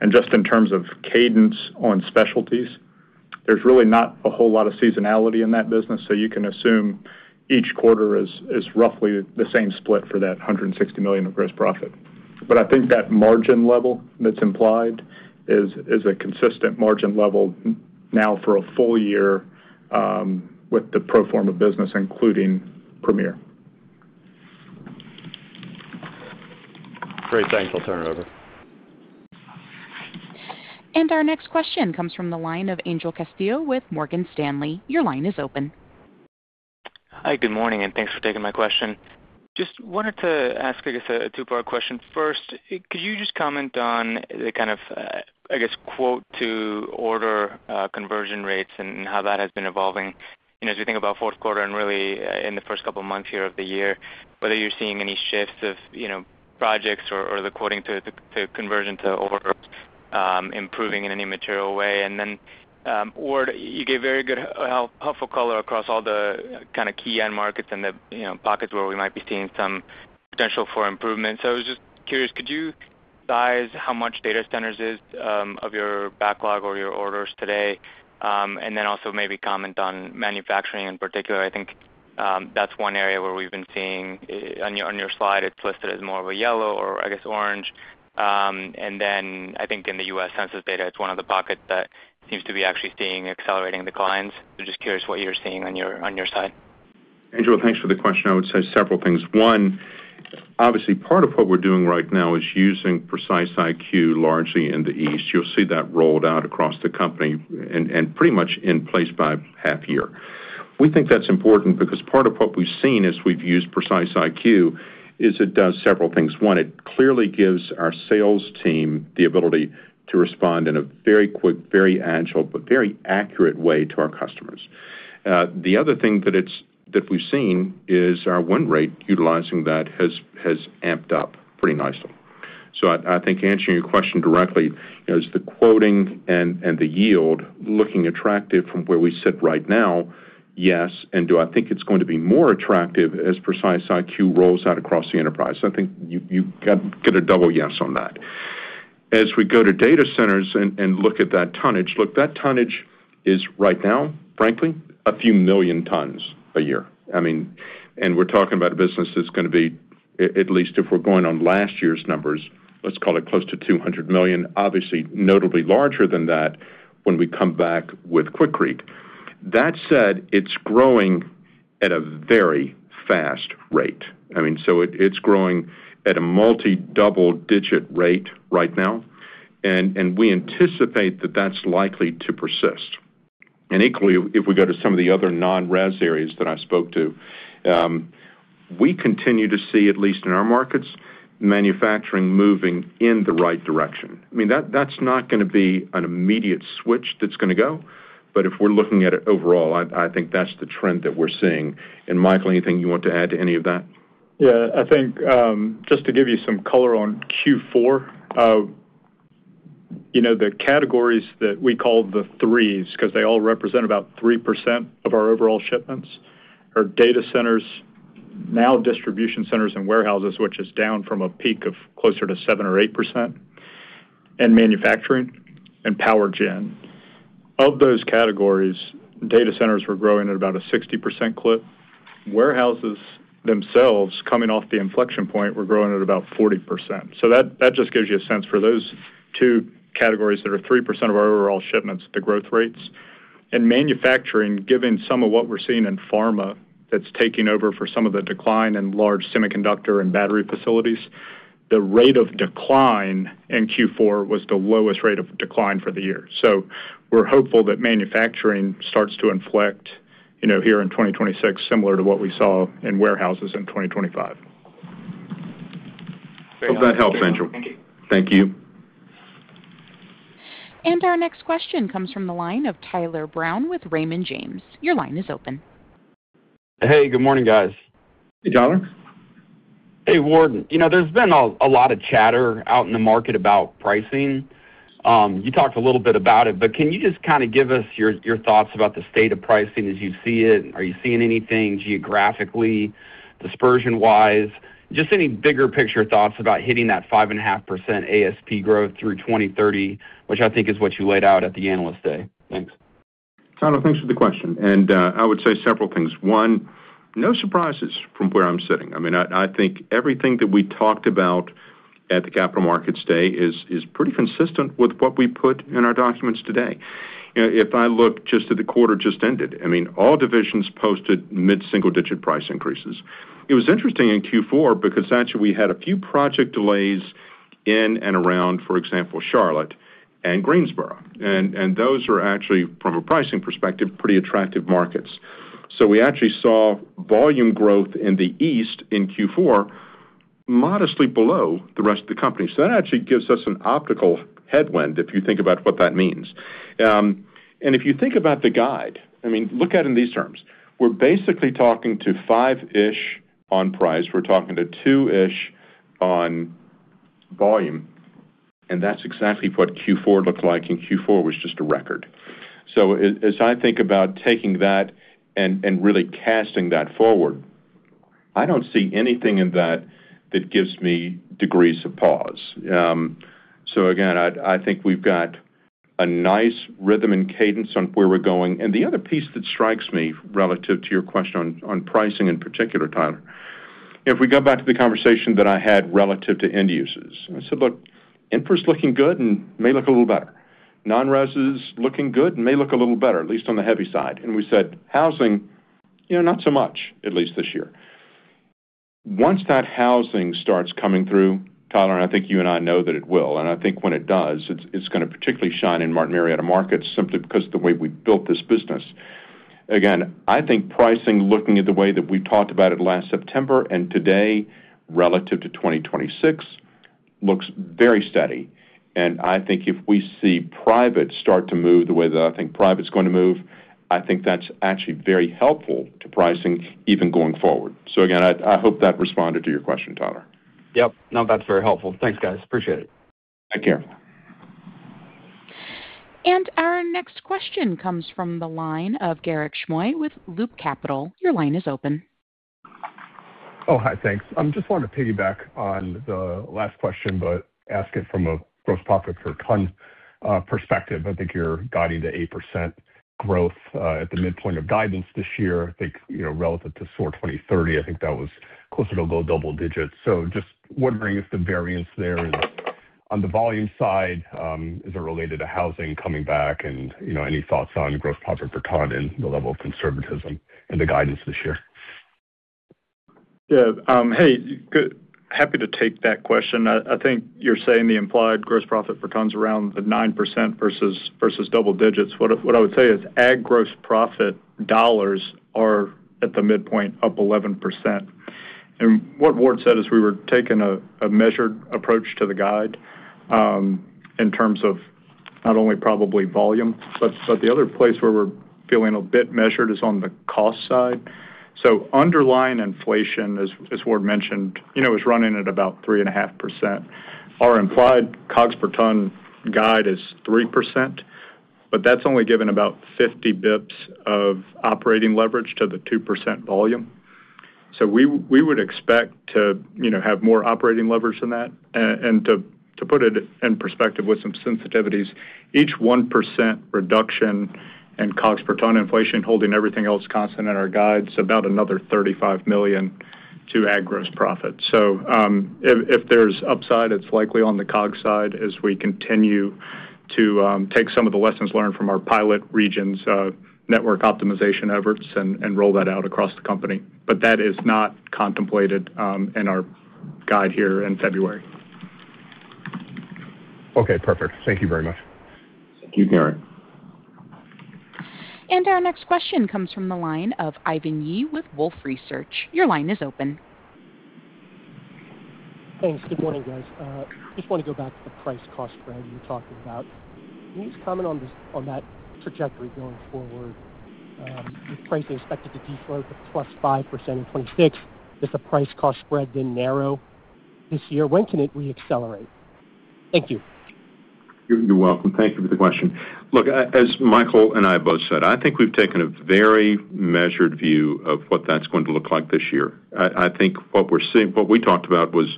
Speaker 4: And just in terms of cadence on specialties, there's really not a whole lot of seasonality in that business. So you can assume each quarter is roughly the same split for that $160 million of gross profit. I think that margin level that's implied is a consistent margin level now for a full year with the pro forma business including Premier.
Speaker 9: Great. Thanks. I'll turn it over.
Speaker 1: Our next question comes from the line of Angel Castillo with Morgan Stanley. Your line is open.
Speaker 10: Hi. Good morning. And thanks for taking my question. Just wanted to ask, I guess, a two-part question. First, could you just comment on the kind of, I guess, quote-to-order conversion rates and how that has been evolving as we think about fourth quarter and really in the first couple of months here of the year, whether you're seeing any shifts of projects or the quoting to conversion to order improving in any material way? And then, Ward, you gave very good helpful color across all the kind of key-end markets and the pockets where we might be seeing some potential for improvement. So I was just curious, could you size how much data centers is of your backlog or your orders today? And then also maybe comment on manufacturing in particular. I think that's one area where we've been seeing on your slide, it's listed as more of a yellow or, I guess, orange. And then I think in the U.S. Census data, it's one of the pockets that seems to be actually seeing accelerating declines. So just curious what you're seeing on your side.
Speaker 3: Angel, thanks for the question. I would say several things. One, obviously, part of what we're doing right now is using Precise IQ largely in the east. You'll see that rolled out across the company and pretty much in place by half year. We think that's important because part of what we've seen as we've used Precise IQ is it does several things. One, it clearly gives our sales team the ability to respond in a very quick, very agile, but very accurate way to our customers. The other thing that we've seen is our win rate utilizing that has amped up pretty nicely. So I think answering your question directly, is the quoting and the yield looking attractive from where we sit right now? Yes. And do I think it's going to be more attractive as Precise IQ rolls out across the enterprise? I think you get a double yes on that. As we go to data centers and look at that tonnage, look, that tonnage is right now, frankly, a few million tons a year. I mean, and we're talking about a business that's going to be, at least if we're going on last year's numbers, let's call it close to 200 million, obviously, notably larger than that when we come back with Quikrete. That said, it's growing at a very fast rate. I mean, so it's growing at a multi-double-digit rate right now. And we anticipate that that's likely to persist. And equally, if we go to some of the other non-res areas that I spoke to, we continue to see, at least in our markets, manufacturing moving in the right direction. I mean, that's not going to be an immediate switch that's going to go. But if we're looking at it overall, I think that's the trend that we're seeing. And Michael, anything you want to add to any of that?
Speaker 4: Yeah. I think just to give you some color on Q4, the categories that we call the threes because they all represent about 3% of our overall shipments are data centers, now distribution centers and warehouses, which is down from a peak of closer to 7%-8%, and manufacturing and power gen. Of those categories, data centers were growing at about a 60% clip. Warehouses themselves, coming off the inflection point, were growing at about 40%. So that just gives you a sense for those two categories that are 3% of our overall shipments, the growth rates. And manufacturing, given some of what we're seeing in pharma that's taking over for some of the decline in large semiconductor and battery facilities, the rate of decline in Q4 was the lowest rate of decline for the year. We're hopeful that manufacturing starts to inflect here in 2026 similar to what we saw in warehouses in 2025.
Speaker 3: Hope that helps, Angel. Thank you.
Speaker 1: Our next question comes from the line of Tyler Brown with Raymond James. Your line is open.
Speaker 11: Hey. Good morning, guys.
Speaker 3: Hey, Tyler.
Speaker 11: Hey, Ward. There's been a lot of chatter out in the market about pricing. You talked a little bit about it, but can you just kind of give us your thoughts about the state of pricing as you see it? Are you seeing anything geographically, dispersion-wise? Just any bigger picture thoughts about hitting that 5.5% ASP growth through 2030, which I think is what you laid out at the analyst day. Thanks.
Speaker 3: Tyler, thanks for the question. And I would say several things. One, no surprises from where I'm sitting. I mean, I think everything that we talked about at the Capital Markets Day is pretty consistent with what we put in our documents today. If I look just at the quarter just ended, I mean, all divisions posted mid-single-digit price increases. It was interesting in Q4 because actually we had a few project delays in and around, for example, Charlotte and Greensboro. And those are actually, from a pricing perspective, pretty attractive markets. So we actually saw volume growth in the east in Q4 modestly below the rest of the company. So that actually gives us an optical headwind if you think about what that means. And if you think about the guide, I mean, look at it in these terms. We're basically talking to 5-ish on price. We're talking to 2-ish on volume. And that's exactly what Q4 looked like. And Q4 was just a record. So as I think about taking that and really casting that forward, I don't see anything in that that gives me degrees of pause. So again, I think we've got a nice rhythm and cadence on where we're going. And the other piece that strikes me relative to your question on pricing in particular, Tyler, if we go back to the conversation that I had relative to end users, I said, "Look, infra is looking good and may look a little better. Non-res is looking good and may look a little better, at least on the heavy side." And we said, "Housing, not so much, at least this year." Once that housing starts coming through, Tyler, and I think you and I know that it will. I think when it does, it's going to particularly shine in Martin Marietta markets simply because of the way we built this business. Again, I think pricing, looking at the way that we've talked about it last September and today relative to 2026, looks very steady. I think if we see private start to move the way that I think private is going to move, I think that's actually very helpful to pricing even going forward. Again, I hope that responded to your question, Tyler.
Speaker 11: Yep. No, that's very helpful. Thanks, guys. Appreciate it.
Speaker 3: Take care.
Speaker 1: Our next question comes from the line of Garik Shmois with Loop Capital. Your line is open.
Speaker 12: Oh, hi. Thanks. I just wanted to piggyback on the last question, but ask it from a gross profit per ton perspective. I think you're guiding to 8% growth at the midpoint of guidance this year. I think relative to SOAR 2030, I think that was closer to a low double digit. So just wondering if the variance there is on the volume side, is it related to housing coming back, and any thoughts on gross profit per ton and the level of conservatism in the guidance this year?
Speaker 4: Yeah. Hey, happy to take that question. I think you're saying the implied gross profit per ton is around the 9% versus double digits. What I would say is Aggregates gross profit dollars are at the midpoint, up 11%. And what Ward said is we were taking a measured approach to the guide in terms of not only probably volume, but the other place where we're feeling a bit measured is on the cost side. So underlying inflation, as Ward mentioned, is running at about 3.5%. Our implied COGS per ton guide is 3%, but that's only given about 50 basis points of operating leverage to the 2% volume. So we would expect to have more operating leverage than that. To put it in perspective with some sensitivities, each 1% reduction in COGS per ton inflation, holding everything else constant in our guides, about another $35 million to Aggregates gross profit. If there's upside, it's likely on the COGS side as we continue to take some of the lessons learned from our pilot regions, network optimization efforts, and roll that out across the company. That is not contemplated in our guide here in February.
Speaker 12: Okay. Perfect. Thank you very much.
Speaker 3: Thank you, Garik.
Speaker 1: Our next question comes from the line of Ivan Yi with Wolfe Research. Your line is open.
Speaker 13: Thanks. Good morning, guys. I just want to go back to the price-cost spread you were talking about. Can you just comment on that trajectory going forward? If pricing is expected to slow to +5% in 2026, if the price-cost spread didn't narrow this year, when can it reaccelerate? Thank you.
Speaker 3: You're welcome. Thank you for the question. Look, as Michael and I both said, I think we've taken a very measured view of what that's going to look like this year. I think what we talked about was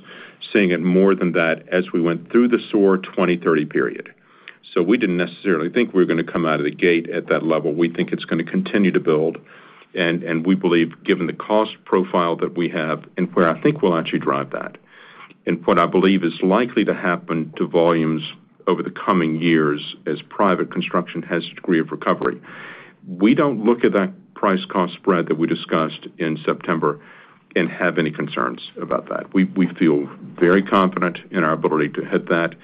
Speaker 3: seeing it more than that as we went through the SOAR 2030 period. So we didn't necessarily think we were going to come out of the gate at that level. We think it's going to continue to build. And we believe, given the cost profile that we have and where I think we'll actually drive that, and what I believe is likely to happen to volumes over the coming years as private construction has a degree of recovery, we don't look at that price-cost spread that we discussed in September and have any concerns about that. We feel very confident in our ability to hit that.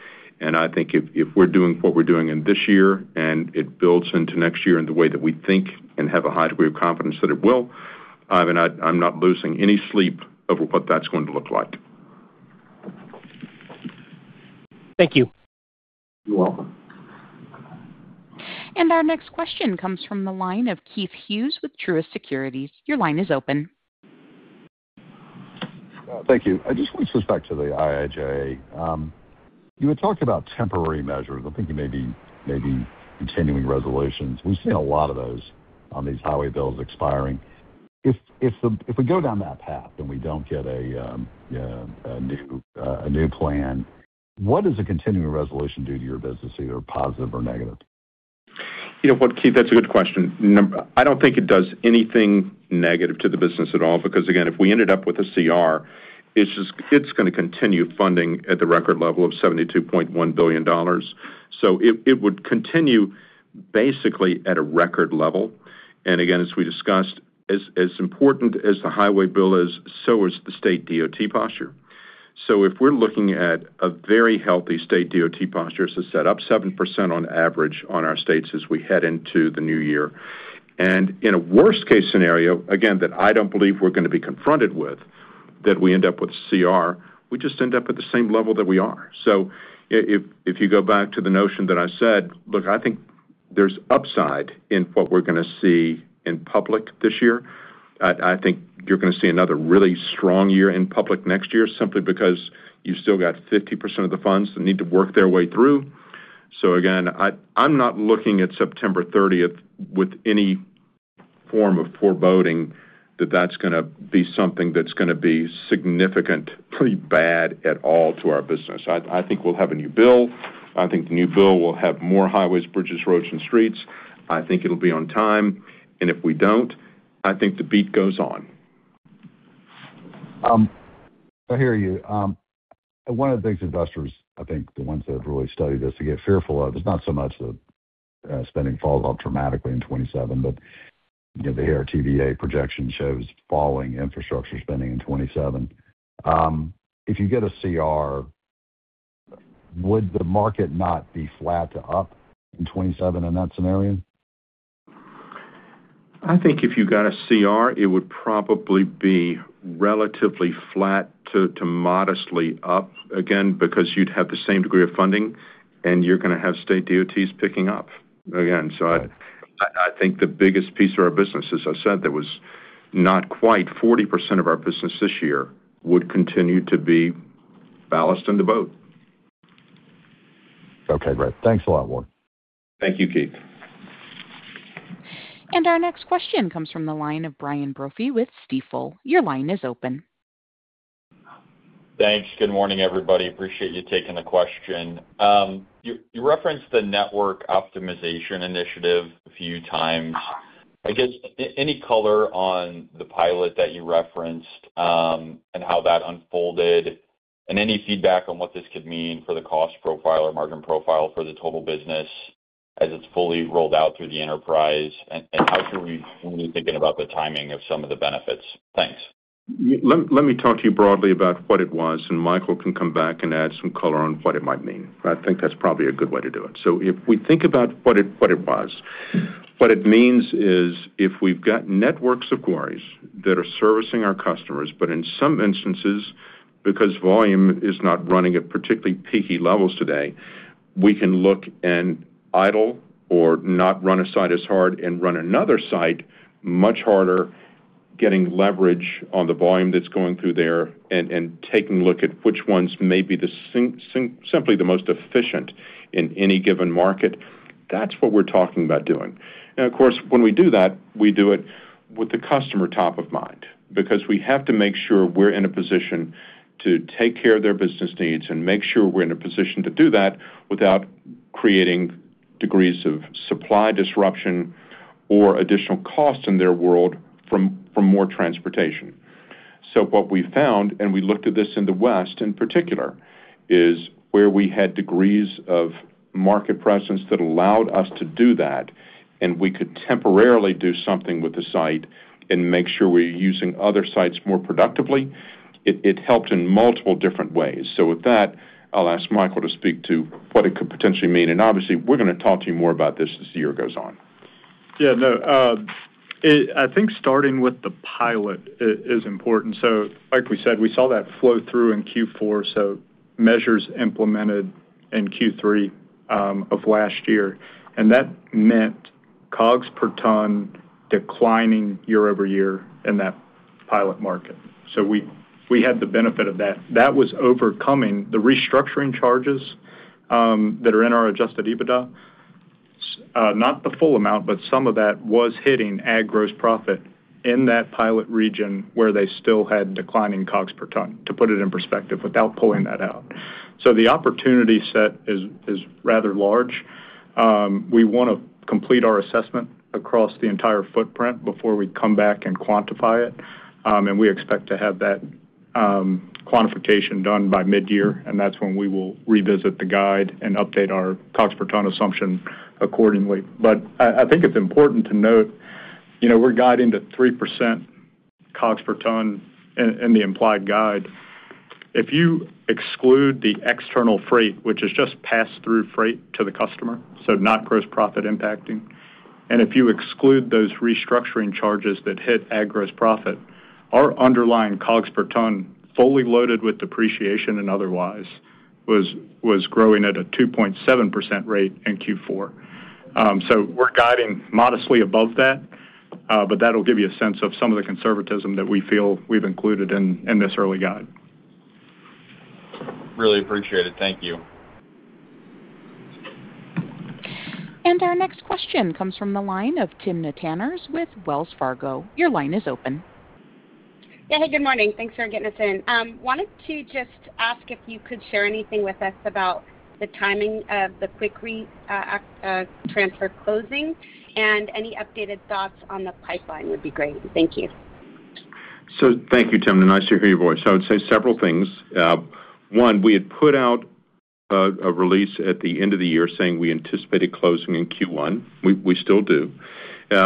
Speaker 3: I think if we're doing what we're doing in this year and it builds into next year in the way that we think and have a high degree of confidence that it will, Ivan, I'm not losing any sleep over what that's going to look like.
Speaker 13: Thank you.
Speaker 3: You're welcome.
Speaker 1: Our next question comes from the line of Keith Hughes with Truist Securities. Your line is open.
Speaker 14: Thank you. I just want to switch back to the IIJA. You had talked about temporary measures. I think you may be continuing resolutions. We've seen a lot of those on these highway bills expiring. If we go down that path and we don't get a new plan, what does a continuing resolution do to your business, either positive or negative?
Speaker 3: What, Keith, that's a good question. I don't think it does anything negative to the business at all because, again, if we ended up with a CR, it's going to continue funding at the record level of $72.1 billion. So it would continue basically at a record level. And again, as we discussed, as important as the highway bill is, so is the state DOT posture. So if we're looking at a very healthy state DOT posture, it's to set up 7% on average on our states as we head into the new year. And in a worst-case scenario, again, that I don't believe we're going to be confronted with, that we end up with a CR, we just end up at the same level that we are. So if you go back to the notion that I said, look, I think there's upside in what we're going to see in public this year. I think you're going to see another really strong year in public next year simply because you've still got 50% of the funds that need to work their way through. So again, I'm not looking at September 30th with any form of foreboding that that's going to be something that's going to be significantly bad at all to our business. I think we'll have a new bill. I think the new bill will have more highways, bridges, roads, and streets. I think it'll be on time. And if we don't, I think the beat goes on.
Speaker 14: I hear you. One of the biggest investors, I think the ones that have really studied this to get fearful of is not so much the spending falls off dramatically in 2027, but the ARTBA projection shows falling infrastructure spending in 2027. If you get a CR, would the market not be flat to up in 2027 in that scenario?
Speaker 3: I think if you got a CR, it would probably be relatively flat to modestly up, again, because you'd have the same degree of funding, and you're going to have state DOTs picking up. Again, so I think the biggest piece of our business, as I said, that was not quite 40% of our business this year would continue to be ballast in the boat.
Speaker 14: Okay. Great. Thanks a lot, Ward.
Speaker 3: Thank you, Keith.
Speaker 1: Our next question comes from the line of Brian Brophy with Stifel. Your line is open.
Speaker 15: Thanks. Good morning, everybody. Appreciate you taking the question. You referenced the network optimization initiative a few times. I guess any color on the pilot that you referenced and how that unfolded, and any feedback on what this could mean for the cost profile or margin profile for the total business as it's fully rolled out through the enterprise, and how should we be thinking about the timing of some of the benefits? Thanks.
Speaker 3: Let me talk to you broadly about what it was, and Michael can come back and add some color on what it might mean. I think that's probably a good way to do it. So if we think about what it was, what it means is if we've got networks of quarries that are servicing our customers, but in some instances, because volume is not running at particularly peaky levels today, we can look and idle or not run a site as hard and run another site much harder, getting leverage on the volume that's going through there and taking a look at which ones may be simply the most efficient in any given market. That's what we're talking about doing. Now, of course, when we do that, we do it with the customer top of mind because we have to make sure we're in a position to take care of their business needs and make sure we're in a position to do that without creating degrees of supply disruption or additional cost in their world from more transportation. What we found, and we looked at this in the West in particular, is where we had degrees of market presence that allowed us to do that, and we could temporarily do something with the site and make sure we're using other sites more productively. It helped in multiple different ways. With that, I'll ask Michael to speak to what it could potentially mean. Obviously, we're going to talk to you more about this as the year goes on.
Speaker 4: Yeah. No. I think starting with the pilot is important. So like we said, we saw that flow through in Q4, so measures implemented in Q3 of last year. And that meant COGS per ton declining year-over-year in that pilot market. So we had the benefit of that. That was overcoming the restructuring charges that are in our adjusted EBITDA. Not the full amount, but some of that was hitting ag gross profit in that pilot region where they still had declining COGS per ton, to put it in perspective, without pulling that out. So the opportunity set is rather large. We want to complete our assessment across the entire footprint before we come back and quantify it. And we expect to have that quantification done by mid-year. And that's when we will revisit the guide and update our COGS per ton assumption accordingly. But I think it's important to note we're guiding to 3% COGS per ton in the implied guide. If you exclude the external freight, which is just pass-through freight to the customer, so not gross profit impacting, and if you exclude those restructuring charges that hit ag gross profit, our underlying COGS per ton, fully loaded with depreciation and otherwise, was growing at a 2.7% rate in Q4. So we're guiding modestly above that, but that'll give you a sense of some of the conservatism that we feel we've included in this early guide.
Speaker 15: Really appreciate it. Thank you.
Speaker 1: Our next question comes from the line of Timna Tanners with Wells Fargo. Your line is open.
Speaker 16: Yeah. Hey, good morning. Thanks for getting us in. Wanted to just ask if you could share anything with us about the timing of the Quikrete transfer closing and any updated thoughts on the pipeline would be great. Thank you.
Speaker 3: So thank you, Tim. Nice to hear your voice. I would say several things. One, we had put out a release at the end of the year saying we anticipated closing in Q1. We still do. The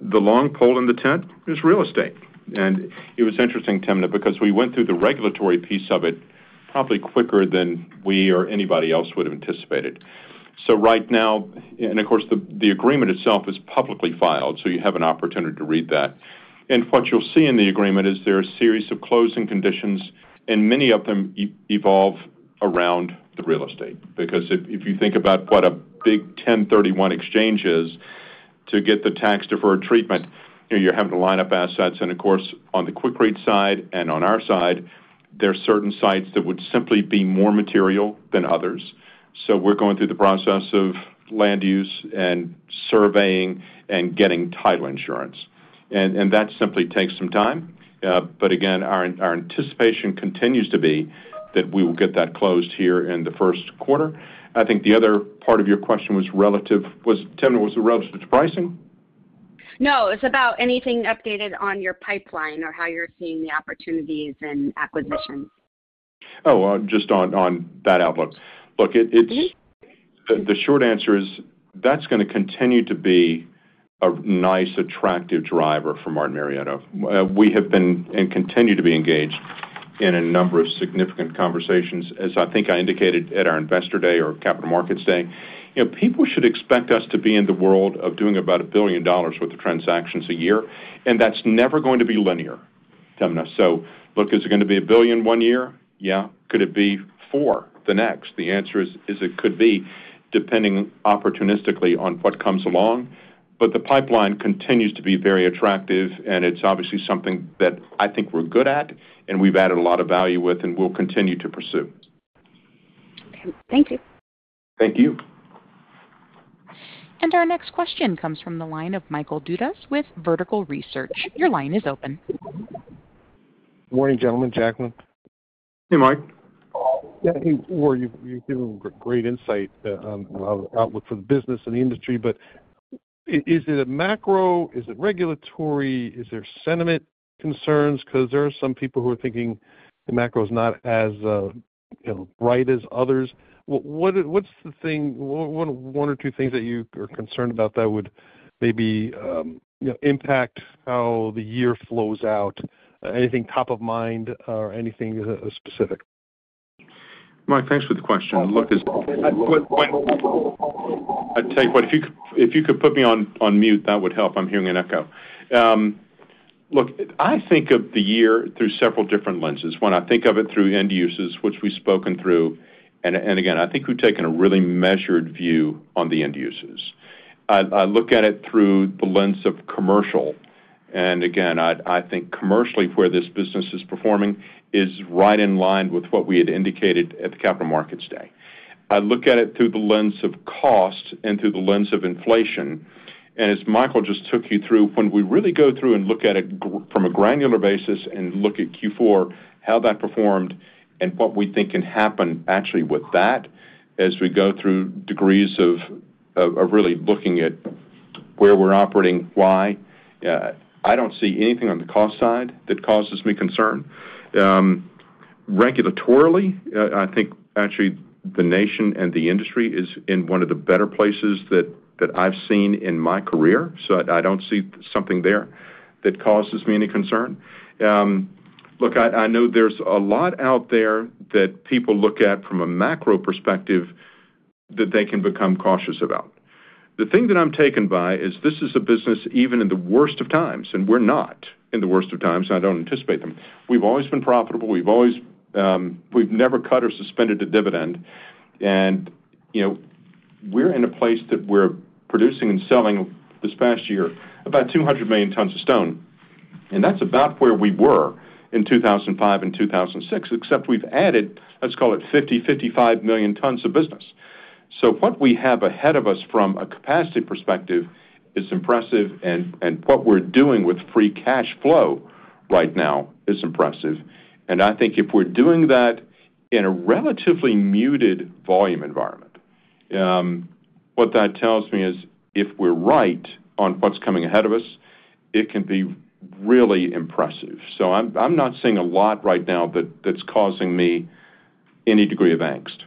Speaker 3: long pole in the tent is real estate. And it was interesting, Tim, because we went through the regulatory piece of it probably quicker than we or anybody else would have anticipated. So right now, and of course, the agreement itself is publicly filed, so you have an opportunity to read that. And what you'll see in the agreement is there are a series of closing conditions, and many of them evolve around the real estate. Because if you think about what a big 1031 Exchange is to get the tax-deferred treatment, you're having to line up assets. And of course, on the Quikrete side and on our side, there are certain sites that would simply be more material than others. So we're going through the process of land use and surveying and getting title insurance. And that simply takes some time. But again, our anticipation continues to be that we will get that closed here in the first quarter. I think the other part of your question was relative. Tim, was it relative to pricing?
Speaker 16: No. It's about anything updated on your pipeline or how you're seeing the opportunities and acquisitions.
Speaker 3: Oh, just on that outlook. Look, the short answer is that's going to continue to be a nice, attractive driver for Martin Marietta. We have been and continue to be engaged in a number of significant conversations. As I think I indicated at our Investor Day or Capital Markets Day, people should expect us to be in the world of doing about $1 billion worth of transactions a year. And that's never going to be linear, Tim. So look, is it going to be $1 billion one year? Yeah. Could it be $4 billion the next? The answer is it could be, depending opportunistically on what comes along. But the pipeline continues to be very attractive, and it's obviously something that I think we're good at and we've added a lot of value with and we'll continue to pursue.
Speaker 16: Okay. Thank you.
Speaker 3: Thank you.
Speaker 1: Our next question comes from the line of Michael Dudas with Vertical Research. Your line is open.
Speaker 17: Morning, gentlemen. Jacklyn.
Speaker 2: Hey, Mike.
Speaker 17: Yeah. Hey, Ward. You're giving great insight on the outlook for the business and the industry. But is it a macro? Is it regulatory? Is there sentiment concerns? Because there are some people who are thinking the macro is not as bright as others. What's the thing? One or two things that you are concerned about that would maybe impact how the year flows out. Anything top of mind or anything specific?
Speaker 3: Mike, thanks for the question. Look, as I talk, what if you could put me on mute, that would help. I'm hearing an echo. Look, I think of the year through several different lenses. One, I think of it through end uses, which we've spoken through. And again, I think we've taken a really measured view on the end uses. I look at it through the lens of commercial. And again, I think commercially, where this business is performing is right in line with what we had indicated at the Capital Markets Day. I look at it through the lens of cost and through the lens of inflation. And as Michael just took you through, when we really go through and look at it from a granular basis and look at Q4, how that performed and what we think can happen actually with that as we go through degrees of really looking at where we're operating, why, I don't see anything on the cost side that causes me concern. Regulatorily, I think actually the nation and the industry is in one of the better places that I've seen in my career. So I don't see something there that causes me any concern. Look, I know there's a lot out there that people look at from a macro perspective that they can become cautious about. The thing that I'm taken by is this is a business even in the worst of times. And we're not in the worst of times. I don't anticipate them. We've always been profitable. We've never cut or suspended a dividend. We're in a place that we're producing and selling this past year about 200 million tons of stone. That's about where we were in 2005 and 2006, except we've added, let's call it, 50-55 million tons of business. What we have ahead of us from a capacity perspective is impressive. What we're doing with free cash flow right now is impressive. I think if we're doing that in a relatively muted volume environment, what that tells me is if we're right on what's coming ahead of us, it can be really impressive. I'm not seeing a lot right now that's causing me any degree of angst.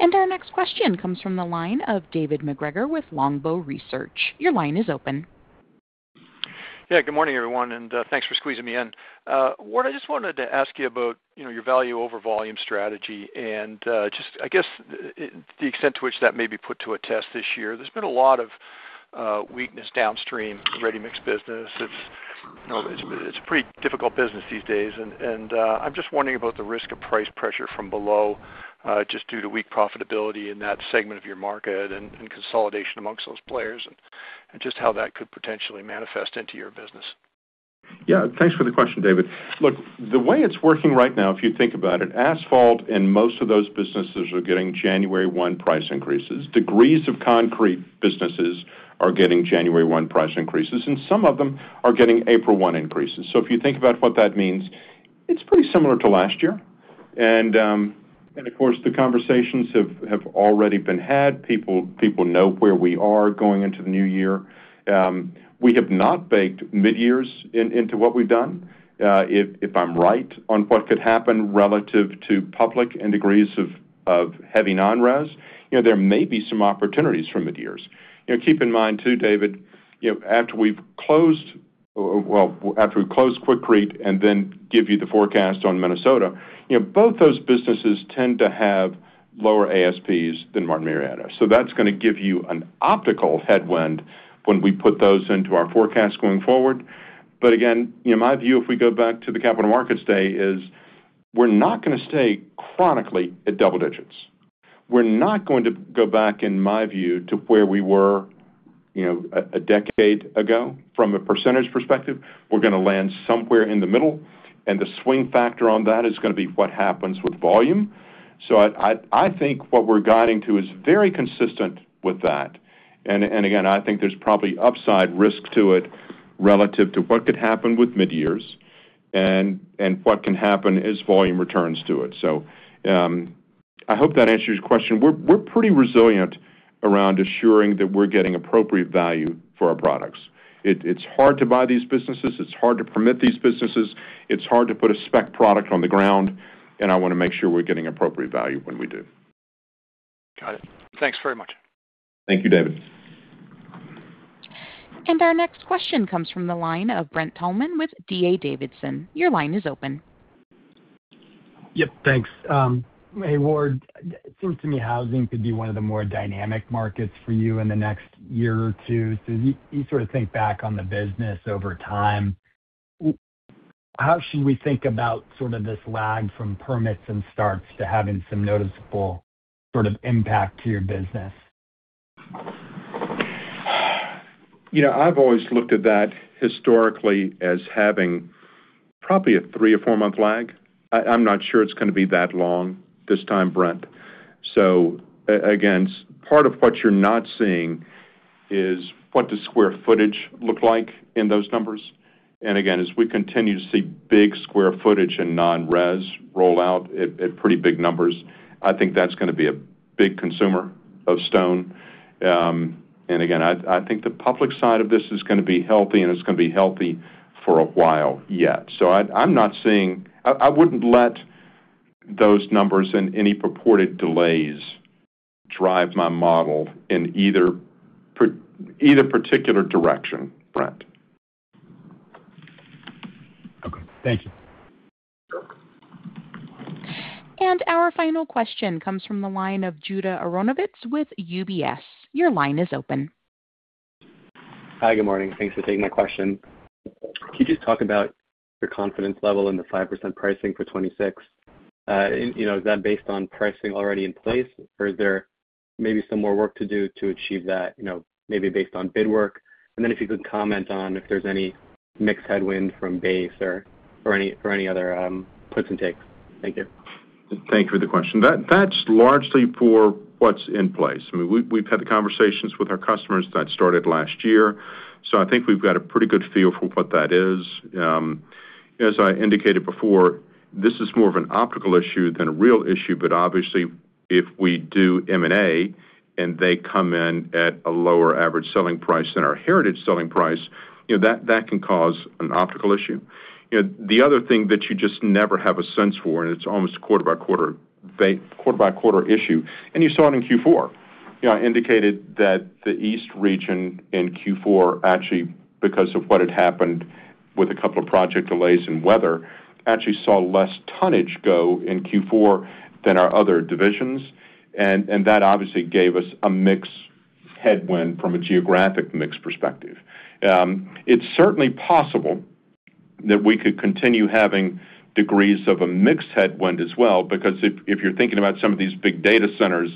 Speaker 1: Our next question comes from the line of David MacGregor with Longbow Research. Your line is open.
Speaker 18: Yeah. Good morning, everyone. And thanks for squeezing me in. Ward, I just wanted to ask you about your value over volume strategy and just, I guess, the extent to which that may be put to a test this year. There's been a lot of weakness downstream ready-mixed business. It's a pretty difficult business these days. And I'm just wondering about the risk of price pressure from below just due to weak profitability in that segment of your market and consolidation amongst those players and just how that could potentially manifest into your business.
Speaker 3: Yeah. Thanks for the question, David. Look, the way it's working right now, if you think about it, asphalt in most of those businesses are getting January 1 price increases. Ready-mix concrete businesses are getting January 1 price increases. And some of them are getting April 1 increases. So if you think about what that means, it's pretty similar to last year. And of course, the conversations have already been had. People know where we are going into the new year. We have not baked midyears into what we've done. If I'm right on what could happen relative to public and ready-mix heavy non-res, there may be some opportunities for midyears. Keep in mind too, David, after we've closed well, after we've closed Quikrete and then give you the forecast on Minnesota, both those businesses tend to have lower ASPs than Martin Marietta. That's going to give you an optical headwind when we put those into our forecast going forward. But again, my view, if we go back to the Capital Markets Day, is we're not going to stay chronically at double digits. We're not going to go back, in my view, to where we were a decade ago from a percentage perspective. We're going to land somewhere in the middle. The swing factor on that is going to be what happens with volume. I think what we're guiding to is very consistent with that. Again, I think there's probably upside risk to it relative to what could happen with midyears and what can happen as volume returns to it. I hope that answers your question. We're pretty resilient around assuring that we're getting appropriate value for our products. It's hard to buy these businesses. It's hard to permit these businesses. It's hard to put a spec product on the ground. I want to make sure we're getting appropriate value when we do.
Speaker 18: Got it. Thanks very much.
Speaker 3: Thank you, David.
Speaker 1: Our next question comes from the line of Brent Thielman with DA Davidson. Your line is open.
Speaker 19: Yep. Thanks. Hey, Ward, it seems to me housing could be one of the more dynamic markets for you in the next year or two. So you sort of think back on the business over time. How should we think about sort of this lag from permits and starts to having some noticeable sort of impact to your business?
Speaker 3: I've always looked at that historically as having probably a 3- or 4-month lag. I'm not sure it's going to be that long this time, Brent. So again, part of what you're not seeing is what does square footage look like in those numbers? And again, as we continue to see big square footage and non-res roll out at pretty big numbers, I think that's going to be a big consumer of stone. And again, I think the public side of this is going to be healthy, and it's going to be healthy for a while yet. So I'm not seeing. I wouldn't let those numbers and any purported delays drive my model in either particular direction, Brent.
Speaker 19: Okay. Thank you.
Speaker 1: Our final question comes from the line of Judah Aronovitz with UBS. Your line is open.
Speaker 20: Hi. Good morning. Thanks for taking my question. Can you just talk about your confidence level in the 5% pricing for 2026? Is that based on pricing already in place, or is there maybe some more work to do to achieve that, maybe based on bid work? And then if you could comment on if there's any mixed headwind from base or any other puts and takes. Thank you.
Speaker 3: Thank you for the question. That's largely for what's in place. I mean, we've had the conversations with our customers that started last year. So I think we've got a pretty good feel for what that is. As I indicated before, this is more of an optical issue than a real issue. But obviously, if we do M&A and they come in at a lower average selling price than our heritage selling price, that can cause an optical issue. The other thing that you just never have a sense for, and it's almost a quarter-by-quarter issue, and you saw it in Q4. I indicated that the east region in Q4, actually, because of what had happened with a couple of project delays and weather, actually saw less tonnage go in Q4 than our other divisions. And that obviously gave us a mixed headwind from a geographic mixed perspective. It's certainly possible that we could continue having degrees of a mixed headwind as well because if you're thinking about some of these big data centers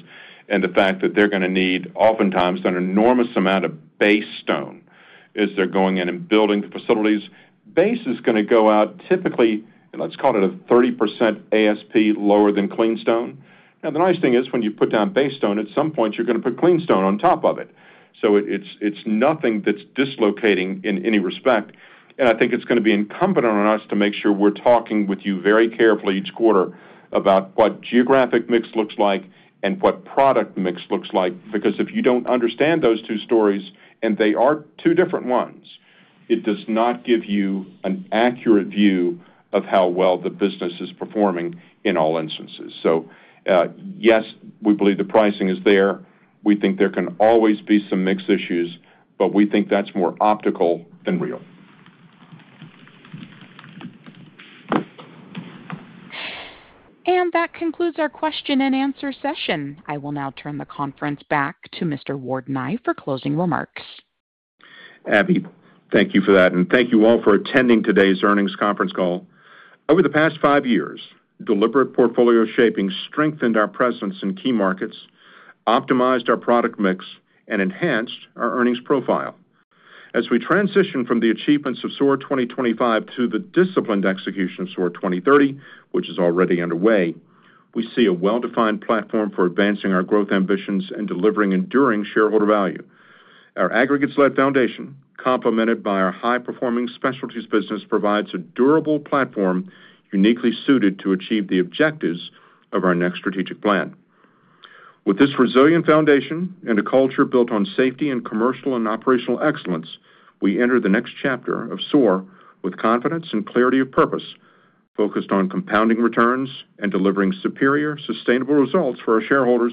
Speaker 3: and the fact that they're going to need, oftentimes, an enormous amount of base stone as they're going in and building the facilities, base is going to go out typically, let's call it, a 30% ASP lower than clean stone. Now, the nice thing is when you put down base stone, at some point, you're going to put clean stone on top of it. So it's nothing that's dislocating in any respect. And I think it's going to be incumbent on us to make sure we're talking with you very carefully each quarter about what geographic mix looks like and what product mix looks like. Because if you don't understand those two stories and they are two different ones, it does not give you an accurate view of how well the business is performing in all instances. So yes, we believe the pricing is there. We think there can always be some mixed issues, but we think that's more optical than real.
Speaker 1: That concludes our question and answer session. I will now turn the conference back to Mr. Ward Nye for closing remarks.
Speaker 3: Abby, thank you for that. Thank you all for attending today's earnings conference call. Over the past five years, deliberate portfolio shaping strengthened our presence in key markets, optimized our product mix, and enhanced our earnings profile. As we transition from the achievements of SOAR 2025 to the disciplined execution of SOAR 2030, which is already underway, we see a well-defined platform for advancing our growth ambitions and delivering enduring shareholder value. Our aggregates-led foundation, complemented by our high-performing specialties business, provides a durable platform uniquely suited to achieve the objectives of our next strategic plan. With this resilient foundation and a culture built on safety and commercial and operational excellence, we enter the next chapter of SOAR with confidence and clarity of purpose focused on compounding returns and delivering superior, sustainable results for our shareholders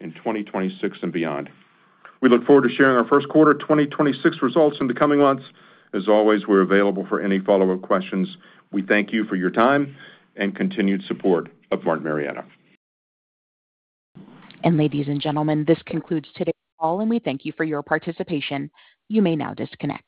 Speaker 3: in 2026 and beyond. We look forward to sharing our first quarter 2026 results in the coming months. As always, we're available for any follow-up questions. We thank you for your time and continued support of Martin Marietta.
Speaker 1: Ladies and gentlemen, this concludes today's call, and we thank you for your participation. You may now disconnect.